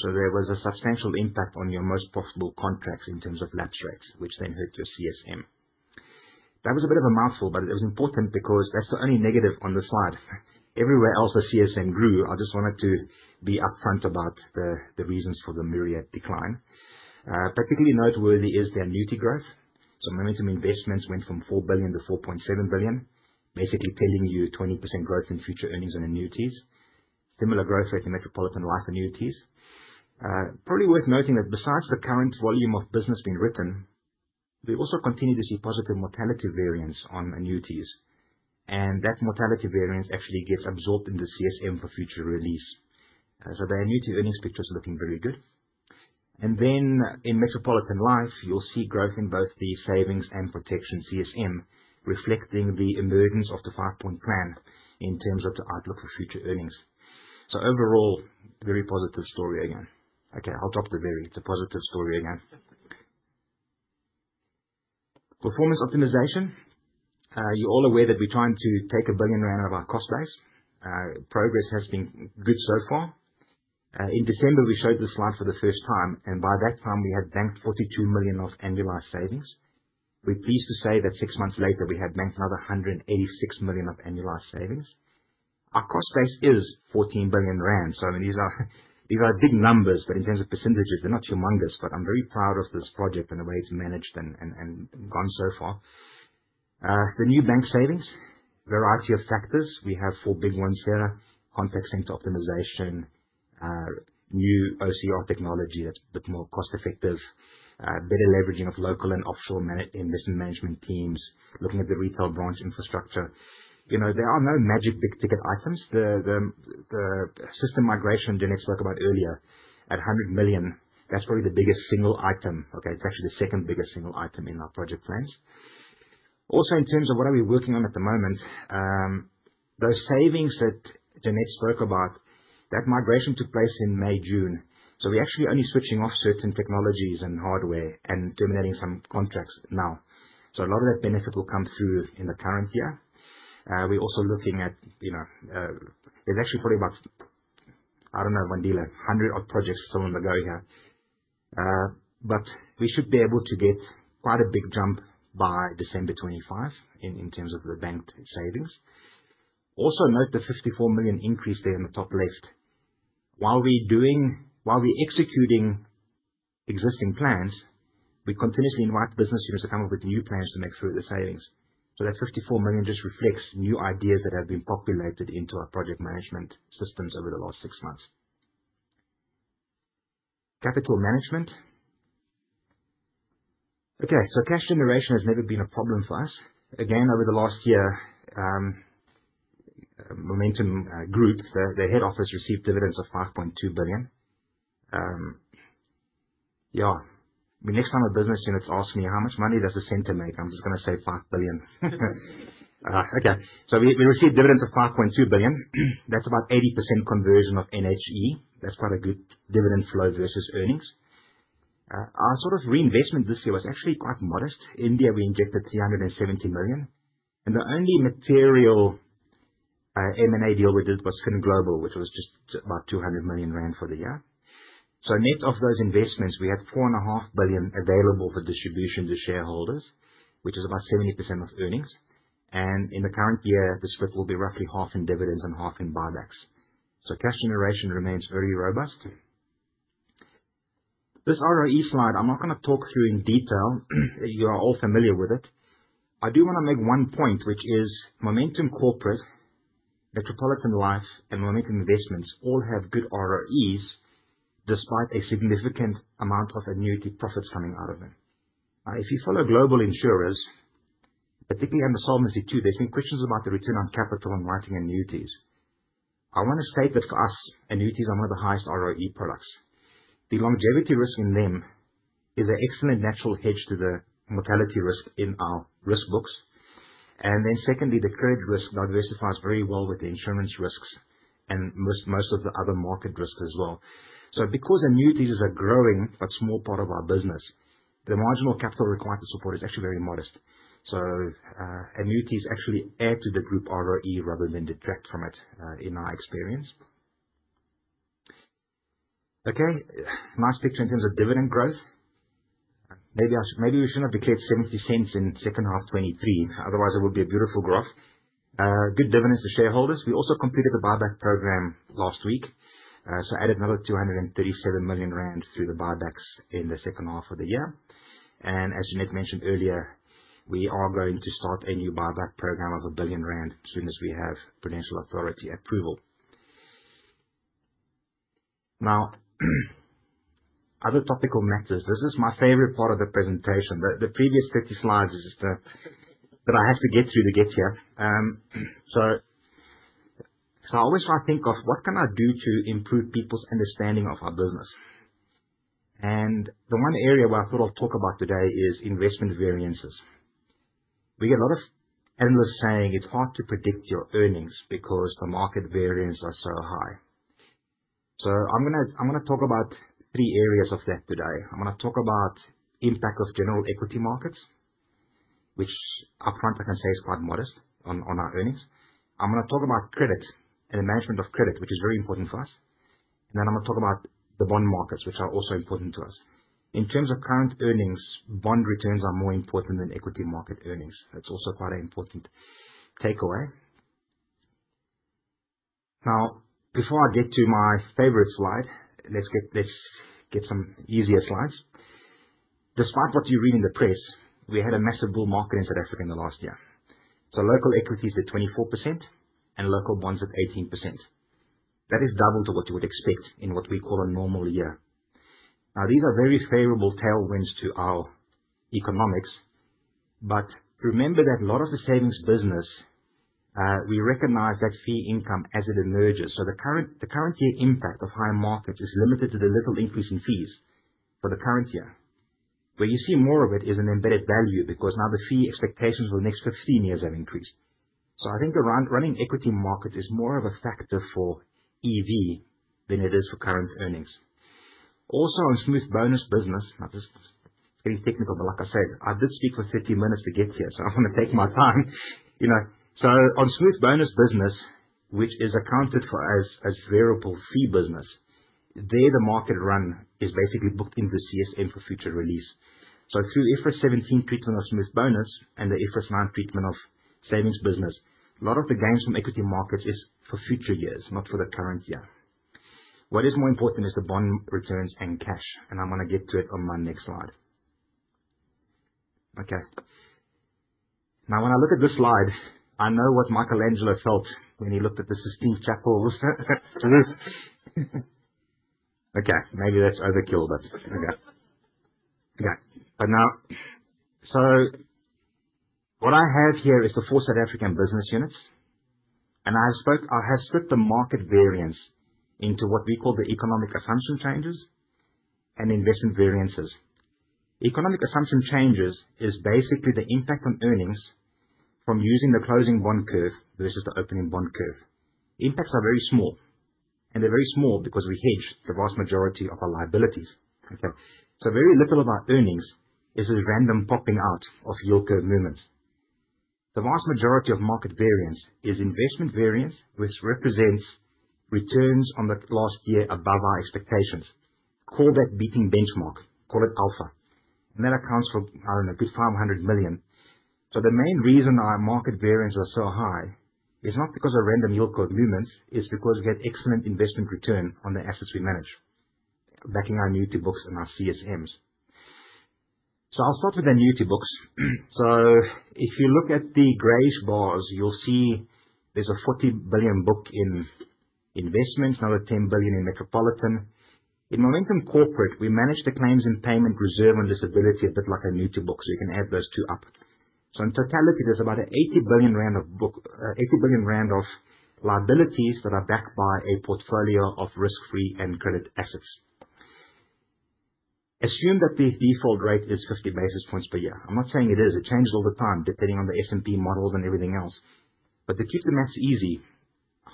so there was a substantial impact on your most profitable contracts in terms of lapse rates, which then hurt your CSM. That was a bit of a mouthful, but it was important because that's the only negative on the slide. Everywhere else the CSM grew. I just wanted to be upfront about the reasons for the Myriad decline. Particularly noteworthy is their annuity growth. So Momentum Investments went from 4 billion to 4.7 billion, basically telling you 20% growth in future earnings on annuities, similar growth rate in Metropolitan Life annuities. Probably worth noting that besides the current volume of business being written, we also continue to see positive mortality variance on annuities. And that mortality variance actually gets absorbed in the CSM for future release. So the annuity earnings picture is looking very good. And then in Metropolitan Life, you'll see growth in both the savings and protection CSM, reflecting the emergence of the five-point plan in terms of the outlook for future earnings. So overall, very positive story again. Okay, I'll drop the very. It's a positive story again. Performance optimization. You're all aware that we're trying to take a billion rand off our cost base. Progress has been good so far. In December, we showed the slide for the first time, and by that time, we had banked 42 million of annualized savings. We're pleased to say that six months later, we had banked another 186 million of annualized savings. Our cost base is 14 billion rand. So I mean, these are big numbers, but in terms of percentages, they're not humongous, but I'm very proud of this project and the way it's managed and gone so far. The new banked savings from a variety of factors. We have four big ones here: context-linked optimization, new OCR technology that's a bit more cost-effective, better leveraging of local and offshore investment management teams, looking at the retail branch infrastructure. There are no magic big ticket items. The system migration Jeanette spoke about earlier at 100 million, that's probably the biggest single item. Okay, it's actually the second biggest single item in our project plans. Also, in terms of what are we working on at the moment, those savings that Jeanette spoke about, that migration took place in May, June. So we're actually only switching off certain technologies and hardware and terminating some contracts now. So a lot of that benefit will come through in the current year. We're also looking at, there's actually probably about, I don't know, one dealer, 100-odd projects still on the go here. But we should be able to get quite a big jump by December 2025 in terms of the banked savings. Also note the 54 million increase there in the top left. While we're executing existing plans, we continuously invite business units to come up with new plans to make sure that the savings. So that 54 million just reflects new ideas that have been populated into our project management systems over the last six months. Capital management. Okay, so cash generation has never been a problem for us. Again, over the last year, Momentum Group, the head office received dividends of 5.2 billion. Yeah, next time a business unit asks me, "How much money does the center make?" I'm just going to say 5 billion. Okay, so we received dividends of 5.2 billion. That's about 80% conversion of NHE. That's quite a good dividend flow versus earnings. Our sort of reinvestment this year was actually quite modest. India, we injected 370 million. And the only material M&A deal we did was FinGlobal, which was just about 200 million rand for the year. So net of those investments, we had 4.5 billion available for distribution to shareholders, which is about 70% of earnings. And in the current year, the split will be roughly half in dividends and half in buybacks. So cash generation remains very robust. This ROE slide, I'm not going to talk through in detail. You are all familiar with it. I do want to make one point, which is Momentum Corporate, Metropolitan Life, and Momentum Investments all have good ROEs despite a significant amount of annuity profits coming out of them. If you follow global insurers, particularly under Solvency II, there's been questions about the return on capital on writing annuities. I want to state that for us, annuities are one of the highest ROE products. The longevity risk in them is an excellent natural hedge to the mortality risk in our risk books. And then secondly, the credit risk diversifies very well with the insurance risks and most of the other market risks as well. So because annuities are growing, but small part of our business, the marginal capital required to support is actually very modest. So annuities actually add to the group ROE rather than detract from it in our experience. Okay, nice picture in terms of dividend growth. Maybe we shouldn't have declared 0.70 in second half 2023. Otherwise, it would be a beautiful graph. Good dividends to shareholders. We also completed the buyback program last week. So added another 237 million rand through the buybacks in the second half of the year. Jeanette mentioned earlier, we are going to start a new buyback program of 1 billion rand as soon as we have Prudential Authority approval. Now, other topical matters. This is my favorite part of the presentation. The previous 30 slides is just that I have to get through to get here. I always try to think of what can I do to improve people's understanding of our business. The one area where I thought I'll talk about today is investment variances. We get a lot of analysts saying it's hard to predict your earnings because the market variance are so high. I'm going to talk about three areas of that today. I'm going to talk about the impact of general equity markets, which upfront I can say is quite modest on our earnings. I'm going to talk about credit and the management of credit, which is very important for us. And then I'm going to talk about the bond markets, which are also important to us. In terms of current earnings, bond returns are more important than equity market earnings. That's also quite an important takeaway. Now, before I get to my favorite slide, let's get some easier slides. Despite what you read in the press, we had a massive bull market in South Africa in the last year. So local equities at 24% and local bonds at 18%. That is double to what you would expect in what we call a normal year. Now, these are very favorable tailwinds to our economics. But remember that a lot of the savings business, we recognize that fee income as it emerges. The current year impact of high markets is limited to the little increase in fees for the current year. Where you see more of it is an Embedded Value because now the fee expectations for the next 15 years have increased. So I think the running equity market is more of a factor for EV than it is for current earnings. Also, on smooth bonus business, now this is getting technical, but like I said, I did speak for 30 minutes to get here, so I'm going to take my time. So on smooth bonus business, which is accounted for as variable fee business, there the market run is basically booked into the CSM for future release. Through IFRS 17 treatment of smooth bonus and the IFRS 9 treatment of savings business, a lot of the gains from equity markets is for future years, not for the current year. What is more important is the bond returns and cash, and I'm going to get to it on my next slide. Okay. Now, when I look at this slide, I know what Michelangelo felt when he looked at the Sistine Chapel. Okay, maybe that's overkill, but okay. What I have here is the four South African business units. I have split the market variance into what we call the economic assumption changes and investment variances. Economic assumption changes is basically the impact on earnings from using the closing bond curve versus the opening bond curve. Impacts are very small, and they're very small because we hedge the vast majority of our liabilities. Okay, so very little of our earnings is this random popping out of yield curve movements. The vast majority of market variance is investment variance, which represents returns on the last year above our expectations. Call that beating benchmark. Call it alpha. And that accounts for, I don't know, a good 500 million. So the main reason our market variance was so high is not because of random yield curve movements, it's because we had excellent investment return on the assets we manage, backing our annuity books and our CSMs. So I'll start with annuity books. So if you look at the grayish bars, you'll see there's a 40 billion book in investments, another 10 billion in Metropolitan. In Momentum Corporate, we manage the claims and payment, reserve, and disability a bit like annuity books, so you can add those two up. In totality, there's about 80 billion rand of liabilities that are backed by a portfolio of risk-free and credit assets. Assume that the default rate is 50 basis points per year. I'm not saying it is. It changes all the time, depending on the S&P models and everything else. But to keep the math easy,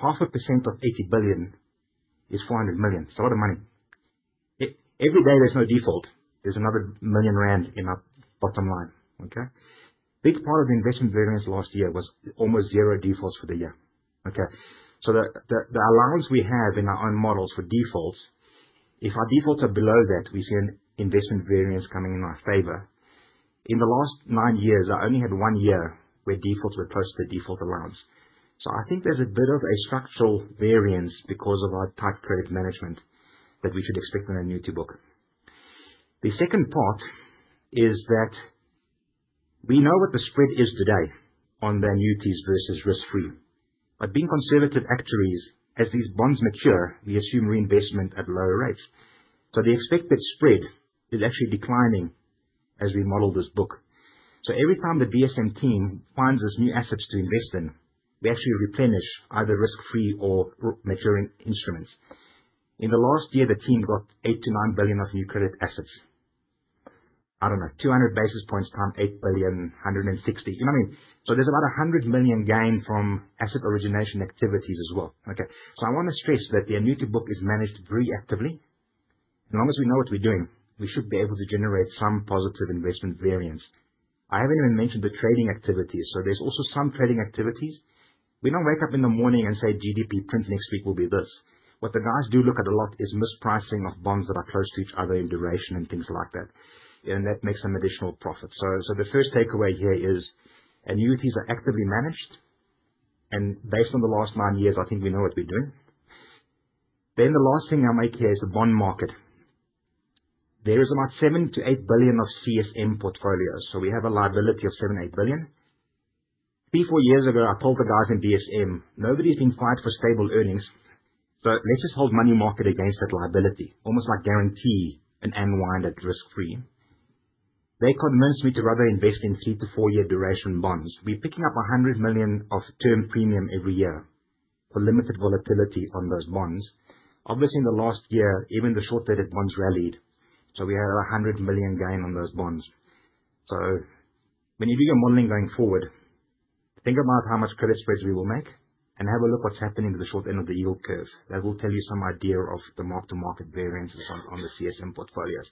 0.5% of 80 billion is 400 million. It's a lot of money. Every day there's no default. There's another 1 million rand in our bottom line. Okay. Big part of the investment variance last year was almost zero defaults for the year. Okay. So the allowance we have in our own models for defaults, if our defaults are below that, we see an investment variance coming in our favor. In the last nine years, I only had one year where defaults were close to the default allowance. I think there's a bit of a structural variance because of our tight credit management that we should expect in an annuity book. The second part is that we know what the spread is today on the annuities versus risk-free. But being conservative actuaries, as these bonds mature, we assume reinvestment at lower rates. So the expected spread is actually declining as we model this book. So every time the BSM team finds us new assets to invest in, we actually replenish either risk-free or maturing instruments. In the last year, the team got 8-9 billion of new credit assets. I don't know, 200 basis points times 8 billion, 160. You know what I mean? So there's about a 100 million gain from asset origination activities as well. Okay. So I want to stress that the annuity book is managed very actively. As long as we know what we're doing, we should be able to generate some positive investment variance. I haven't even mentioned the trading activities. So there's also some trading activities. We don't wake up in the morning and say, "GDP print next week will be this." What the guys do look at a lot is mispricing of bonds that are close to each other in duration and things like that. And that makes some additional profit. The first takeaway here is annuities are actively managed. Based on the last nine years, I think we know what we're doing. The last thing I'll make here is the bond market. There is about 7-8 billion of CSM portfolios. So we have a liability of 7-8 billion. Three-four years ago, I told the guys in BSM, "Nobody's been fired for stable earnings. So let's just hold money market against that liability, almost like guarantee an unwound risk-free." They convinced me to rather invest in three- to four-year duration bonds. We're picking up 100 million of term premium every year for limited volatility on those bonds. Obviously, in the last year, even the short-dated bonds rallied. So we had a 100 million gain on those bonds. So when you do your modeling going forward, think about how much credit spreads we will make and have a look at what's happening to the short end of the yield curve. That will tell you some idea of the mark-to-market variances on the CSM portfolios.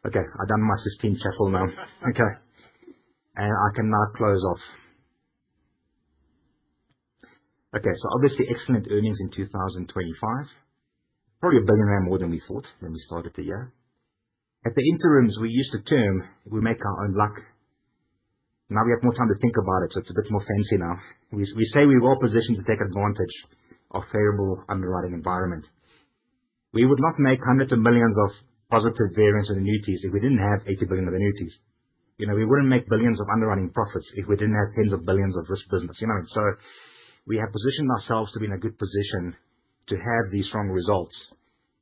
Okay, I've done my Sistine Chapel now. Okay. And I can now close off. Okay, so obviously excellent earnings in 2025. Probably 1 billion rand more than we thought when we started the year. At the interims, we used the term, "We make our own luck." Now we have more time to think about it, so it's a bit more fancy now. We say we were positioned to take advantage of a favorable underwriting environment. We would not make hundreds of millions of positive variance in annuities if we didn't have 80 billion of annuities. We wouldn't make billions of underwriting profits if we didn't have tens of billions of risk business. You know what I mean? So we have positioned ourselves to be in a good position to have these strong results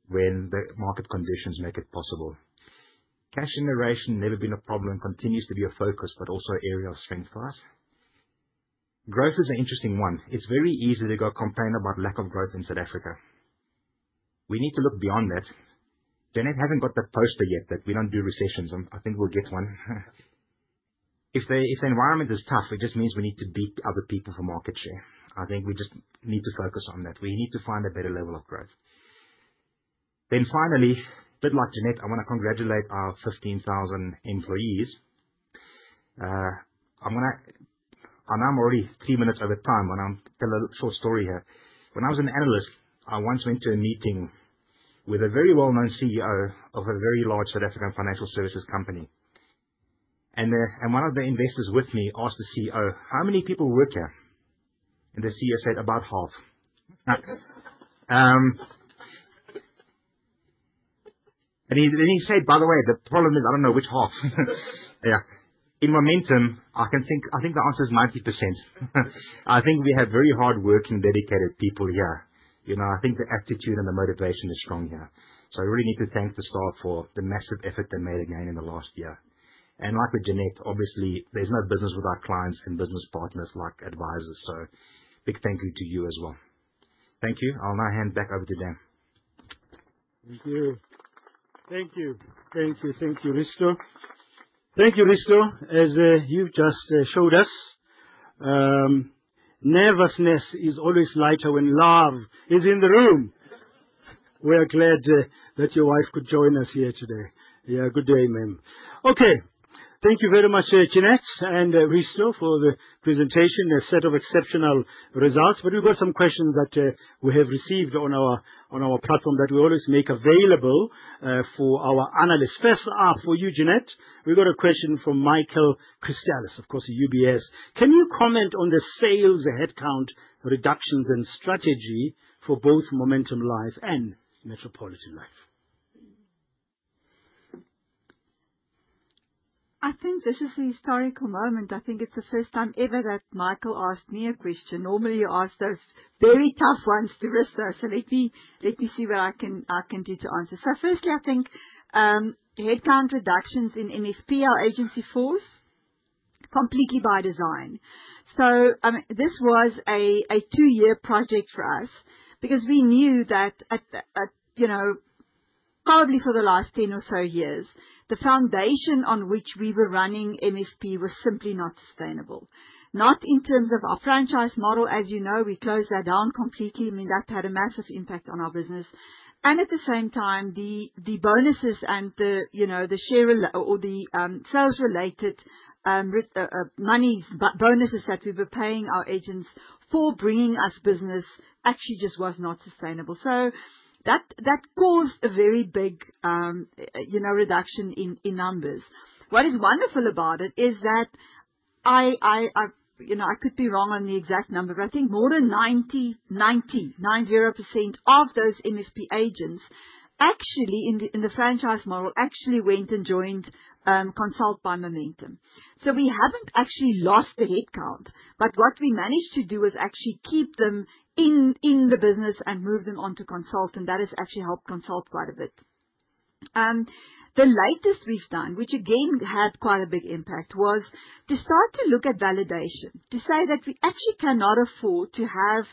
when the market conditions make it possible. Cash generation has never been a problem and continues to be a focus, but also an area of strength for us. Growth is an interesting one. It's very easy to go complain about lack of growth in South Africa. We need to look beyond that. Jeanette hasn't got that poster yet that we don't do recessions. I think we'll get one. If the environment is tough, it just means we need to beat other people for market share. I think we just need to focus on that. We need to find a better level of growth. Then finally, a bit like Jeanette, I want to congratulate our 15,000 employees. I'm going to. I know I'm already three minutes over time, but I'll tell a short story here. When I was an analyst, I once went to a meeting with a very well-known CEO of a very large South African financial services company. And one of the investors with me asked the CEO, "How many people work here?" And the CEO said, "About half." And he said, "By the way, the problem is I don't know which half." Yeah. In Momentum, I think the answer is 90%. I think we have very hardworking, dedicated people here. I think the aptitude and the motivation is strong here. So I really need to thank the staff for the massive effort they made again in the last year. And like with Jeanette, obviously, there's no business without clients and business partners like advisors. So big thank you to you as well. Thank you. I'll now hand back over to Dan. Thank you. Thank you. Thank you. Thank you, Risto. Thank you, Risto, as you've just showed us. Nervousness is always lighter when love is in the room. We're glad that your wife could join us here today. Yeah, good day, ma'am. Okay. Thank you very much, Jeanette and Risto, for the presentation. A set of exceptional results. But we've got some questions that we have received on our platform that we always make available for our analysts. First up for you, Jeanette, we've got a question from Michael Christelis, of course, a UBS. Can you comment on the sales headcount reductions and strategy for both Momentum Life and Metropolitan Life? I think this is a historical moment. I think it's the first time ever that Michael asked me a question. Normally, you ask those very tough ones to Risto. So let me see what I can do to answer. So firstly, I think headcount reductions in MFP are agency forced, completely by design. So this was a two-year project for us because we knew that probably for the last 10 or so years, the foundation on which we were running MFP was simply not sustainable. Not in terms of our franchise model, as you know, we closed that down completely. I mean, that had a massive impact on our business. And at the same time, the bonuses and the share or the sales-related money bonuses that we were paying our agents for bringing us business actually just was not sustainable. So that caused a very big reduction in numbers. What is wonderful about it is that I could be wrong on the exact number, but I think more than 90% of those MFP agents actually in the franchise model actually went and joined Consult by Momentum. So we haven't actually lost the headcount, but what we managed to do is actually keep them in the business and move them on to Consult, and that has actually helped Consult quite a bit. The latest we've done, which again had quite a big impact, was to start to look at validation, to say that we actually cannot afford to have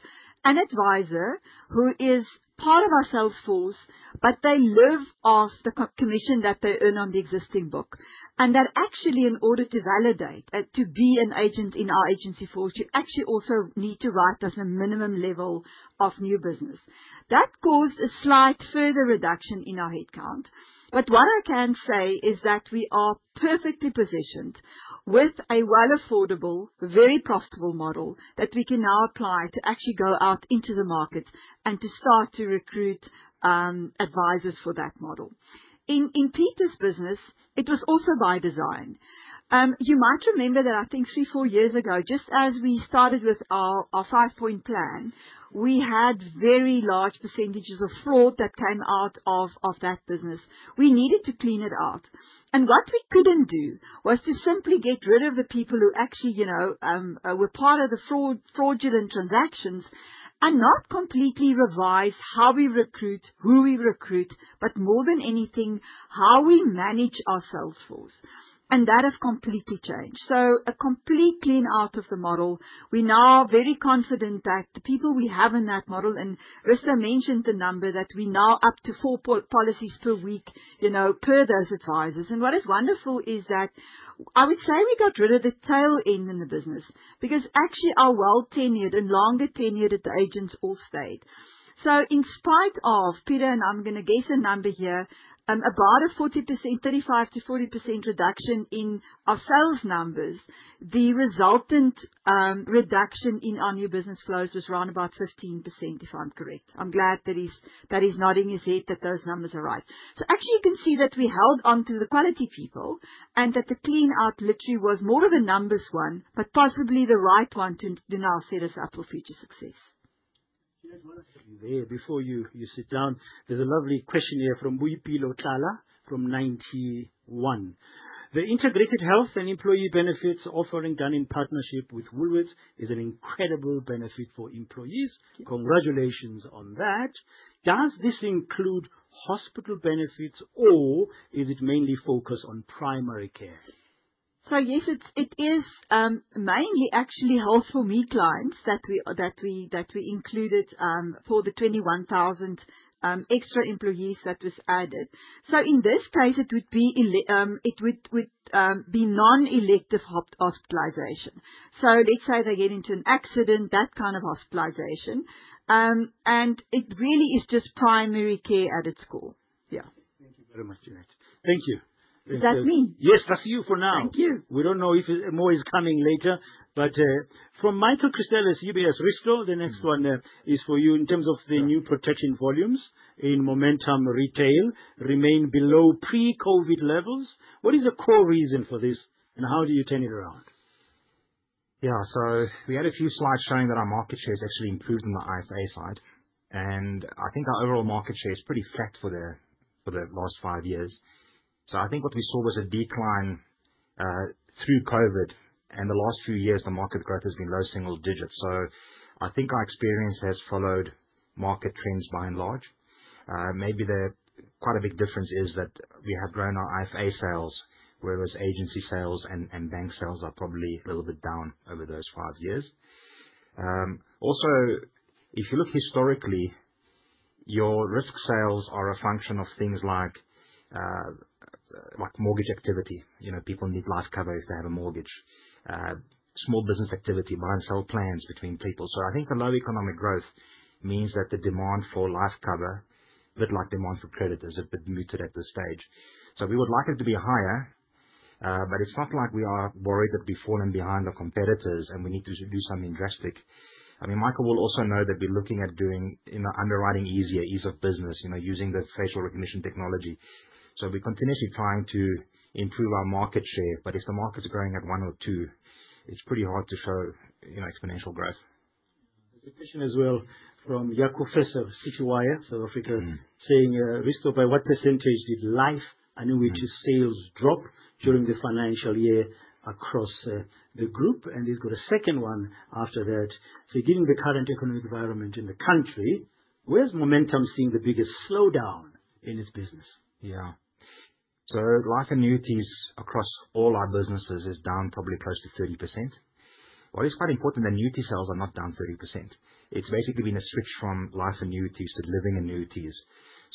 an advisor who is part of our sales force, but they live off the commission that they earn on the existing book, and that actually, in order to validate, to be an agent in our agency force, you actually also need to write us a minimum level of new business. That caused a slight further reduction in our headcount, but what I can say is that we are perfectly positioned with a well-affordable, very profitable model that we can now apply to actually go out into the market and to start to recruit advisors for that model. In Peter's business, it was also by design. You might remember that I think three, four years ago, just as we started with our five-point plan, we had very large percentages of fraud that came out of that business. We needed to clean it out, and what we couldn't do was to simply get rid of the people who actually were part of the fraudulent transactions and not completely revise how we recruit, who we recruit, but more than anything, how we manage our sales force, and that has completely changed, so a complete clean out of the model. We're now very confident that the people we have in that model, and Risto mentioned the number that we're now up to four policies per week per those advisors, and what is wonderful is that I would say we got rid of the tail end in the business because actually our well-tenured and longer-tenured agents all stayed. So in spite of, Peter, and I'm going to guess a number here, about a 35%-40% reduction in our sales numbers, the resultant reduction in our new business flows was around about 15%, if I'm correct. I'm glad that he's nodding his head that those numbers are right. So actually, you can see that we held on to the quality people and that the clean out literally was more of a numbers one, but possibly the right one to now set us up for future success. Before you sit down, there's a lovely question here from Boipelo Tlala from Ninety One. The integrated health and employee benefits offering done in partnership with Woolworths is an incredible benefit for employees. Congratulations on that. Does this include hospital benefits, or is it mainly focused on primary care? So yes, it is mainly actually Health4Me clients that we included for the 21,000 extra employees that was added. So in this case, it would be non-elective hospitalization. So let's say they get into an accident, that kind of hospitalization. And it really is just primary care at its core. Yeah. Thank you very much, Jeanette. Thank you. Does that mean? Yes, that's you for now. Thank you. We don't know if more is coming later. But from Michael Christelis, UBS Risto, the next one is for you in terms of the new protection volumes in Momentum Retail remain below pre-COVID levels. What is the core reason for this, and how do you turn it around? Yeah, so we had a few slides showing that our market share has actually improved on the IFA side. I think our overall market share is pretty flat for the last five years. I think what we saw was a decline through COVID. The last few years, the market growth has been low single digits. I think our experience has followed market trends by and large. Maybe quite a big difference is that we have grown our IFA sales, whereas agency sales and bank sales are probably a little bit down over those five years. Also, if you look historically, your risk sales are a function of things like mortgage activity. People need life cover if they have a mortgage. Small business activity, buy and sell plans between people. I think the low economic growth means that the demand for life cover, a bit like demand for credit, is a bit muted at this stage. So we would like it to be higher, but it's not like we are worried that we've fallen behind our competitors and we need to do something drastic. I mean, Michael will also know that we're looking at doing underwriting easier, ease of business, using the facial recognition technology. So we're continuously trying to improve our market share, but if the market's growing at one or two, it's pretty hard to show exponential growth. There's a question as well from Ya'qub Essop, 27four, South Africa, saying, "Risto, by what percentage did life and health sales drop during the financial year across the group?" And they've got a second one after that. So given the current economic environment in the country, where's Momentum seeing the biggest slowdown in its business? Yeah. So life annuities across all our businesses is down probably close to 30%. What is quite important is that annuity sales are not down 30%. It's basically been a switch from life annuities to living annuities.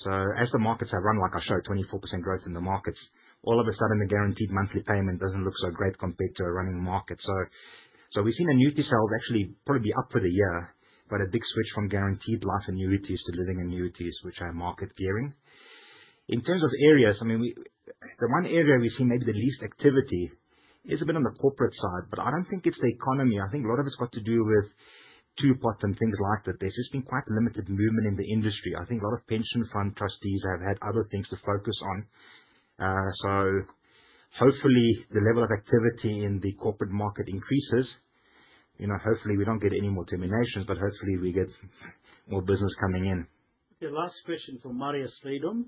So as the markets have run, like I showed, 24% growth in the markets, all of a sudden, the guaranteed monthly payment doesn't look so great compared to a running market. So we've seen annuity sales actually probably be up for the year, but a big switch from guaranteed life annuities to living annuities, which are market-gearing. In terms of areas, I mean, the one area we've seen maybe the least activity is a bit on the corporate side, but I don't think it's the economy. I think a lot of it's got to do with Two-Pot and things like that. There's just been quite limited movement in the industry. I think a lot of pension fund trustees have had other things to focus on. So hopefully, the level of activity in the corporate market increases. Hopefully, we don't get any more terminations, but hopefully, we get more business coming in. Okay, last question from Marius Le Roux.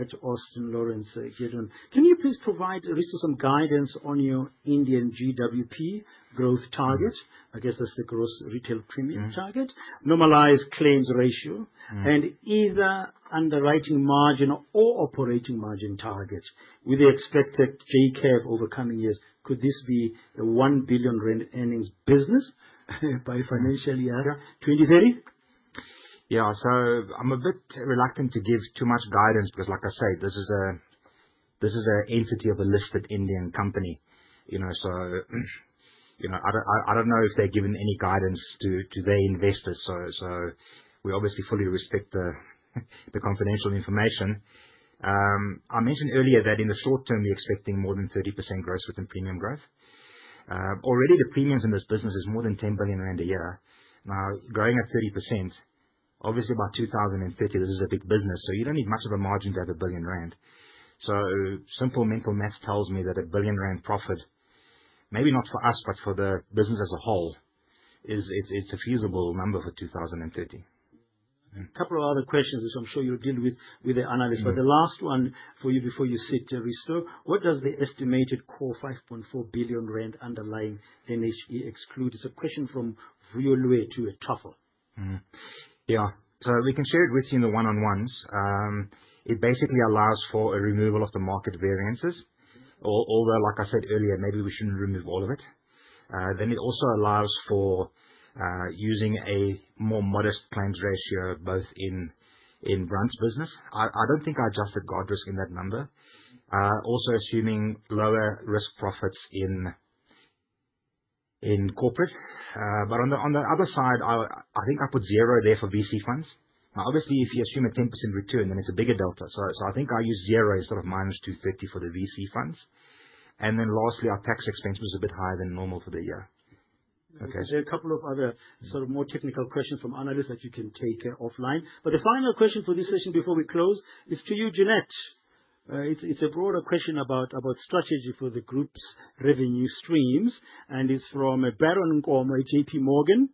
It's Austin Lawrence Gidon. Can you please provide Risto some guidance on your Indian GWP growth target? I guess that's the gross retail premium target. Normalized claims ratio and either underwriting margin or operating margin target. With the expected J-curve in the coming years, could this be an 1 billion rand earnings business by financial year 2030? Yeah, so I'm a bit reluctant to give too much guidance because, like I say, this is an entity of a listed Indian company. So I don't know if they've given any guidance to their investors. So we obviously fully respect the confidential information. I mentioned earlier that in the short term, we're expecting more than 30% growth in premium growth. Already, the premiums in this business are more than 10 billion rand a year. Now, growing at 30%, obviously, by 2030, this is a big business. So you don't need much of a margin to have 1 billion rand. So simple mental math tells me that 1 billion rand profit, maybe not for us, but for the business as a whole, it's a feasible number for 2030. A couple of other questions, which I'm sure you'll deal with the analyst. But the last one for you before you sit, Risto, what does the estimated core 5.4 billion rand underlying NHE exclude? It's a question from the floor to the table. Yeah. So we can share it with you in the one-on-ones. It basically allows for a removal of the market variances, although, like I said earlier, maybe we shouldn't remove all of it. Then it also allows for using a more modest claims ratio both in short-term business. I don't think I adjusted Guardrisk in that number, also assuming lower risk profits in Corporate. But on the other side, I think I put zero there for VC funds. Now, obviously, if you assume a 10% return, then it's a bigger delta. So I think I use zero instead of minus 230 for the VC funds. And then lastly, our tax expense was a bit higher than normal for the year. Okay. There are a couple of other sort of more technical questions from analysts that you can take offline. But the final question for this session before we close is to you, Jeanette. It's a broader question about strategy for the group's revenue streams, and it's from Baron Nkomo, J.P. Morgan.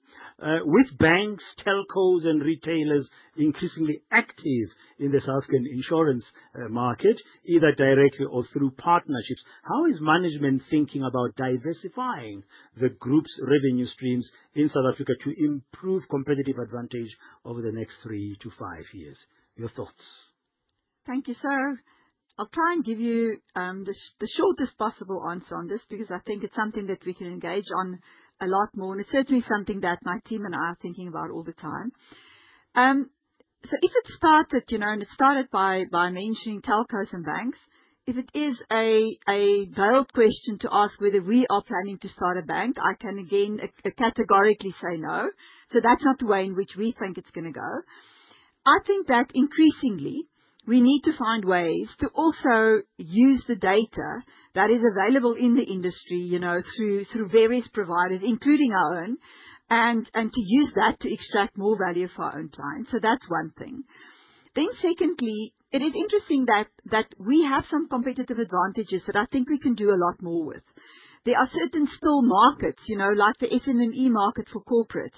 With banks, telcos, and retailers increasingly active in the South African insurance market, either directly or through partnerships, how is management thinking about diversifying the group's revenue streams in South Africa to improve competitive advantage over the next three to five years? Your thoughts. Thank you. So I'll try and give you the shortest possible answer on this because I think it's something that we can engage on a lot more. And it's certainly something that my team and I are thinking about all the time. So if it started, and it started by mentioning telcos and banks, if it is a veiled question to ask whether we are planning to start a bank, I can again categorically say no. So that's not the way in which we think it's going to go. I think that increasingly, we need to find ways to also use the data that is available in the industry through various providers, including our own, and to use that to extract more value for our own clients. So that's one thing. Then secondly, it is interesting that we have some competitive advantages that I think we can do a lot more with. There are certain still markets, like the SME market for corporate,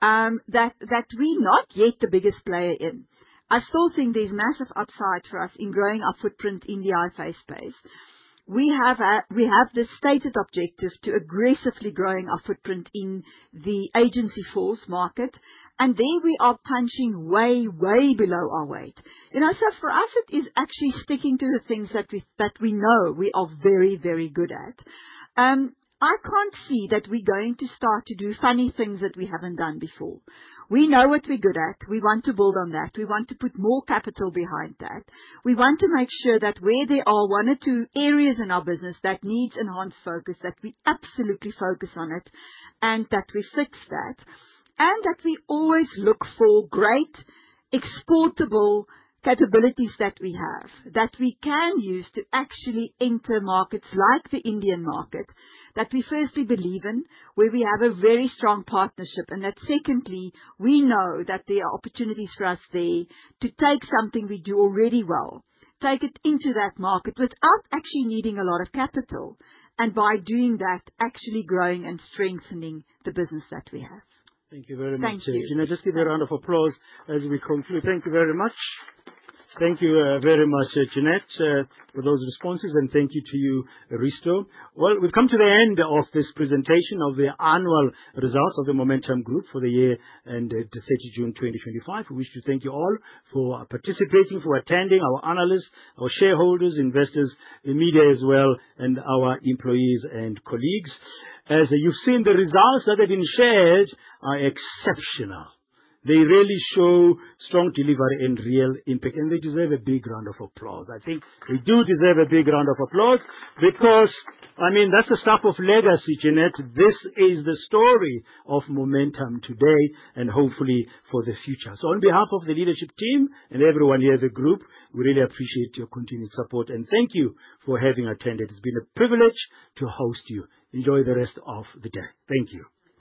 that we're not yet the biggest player in. I still think there's massive upside for us in growing our footprint in the IFA space. We have this stated objective to aggressively grow our footprint in the agency force market, and there we are punching way, way below our weight. So for us, it is actually sticking to the things that we know we are very, very good at. I can't see that we're going to start to do funny things that we haven't done before. We know what we're good at. We want to build on that. We want to put more capital behind that. We want to make sure that where there are one or two areas in our business that need enhanced focus, that we absolutely focus on it, and that we fix that, and that we always look for great exportable capabilities that we have that we can use to actually enter markets like the Indian market that we firstly believe in, where we have a very strong partnership, and that secondly, we know that there are opportunities for us there to take something we do already well, take it into that market without actually needing a lot of capital, and by doing that, actually growing and strengthening the business that we have. Thank you very much. Thank you. Jeanette, just give you a round of applause as we conclude. Thank you very much. Thank you very much, Jeanette, for those responses, and thank you to you, Risto. We've come to the end of this presentation of the annual results of the Momentum Group for the year ended 30 June 2025. We wish to thank you all for participating, for attending, our analysts, our shareholders, investors, the media as well, and our employees and colleagues. As you've seen, the results that have been shared are exceptional. They really show strong delivery and real impact, and they deserve a big round of applause. I think they do deserve a big round of applause because, I mean, that's the stuff of legacy, Jeanette. This is the story of momentum today and hopefully for the future. So on behalf of the leadership team and everyone here in the group, we really appreciate your continued support, and thank you for having attended. It's been a privilege to host you. Enjoy the rest of the day. Thank you.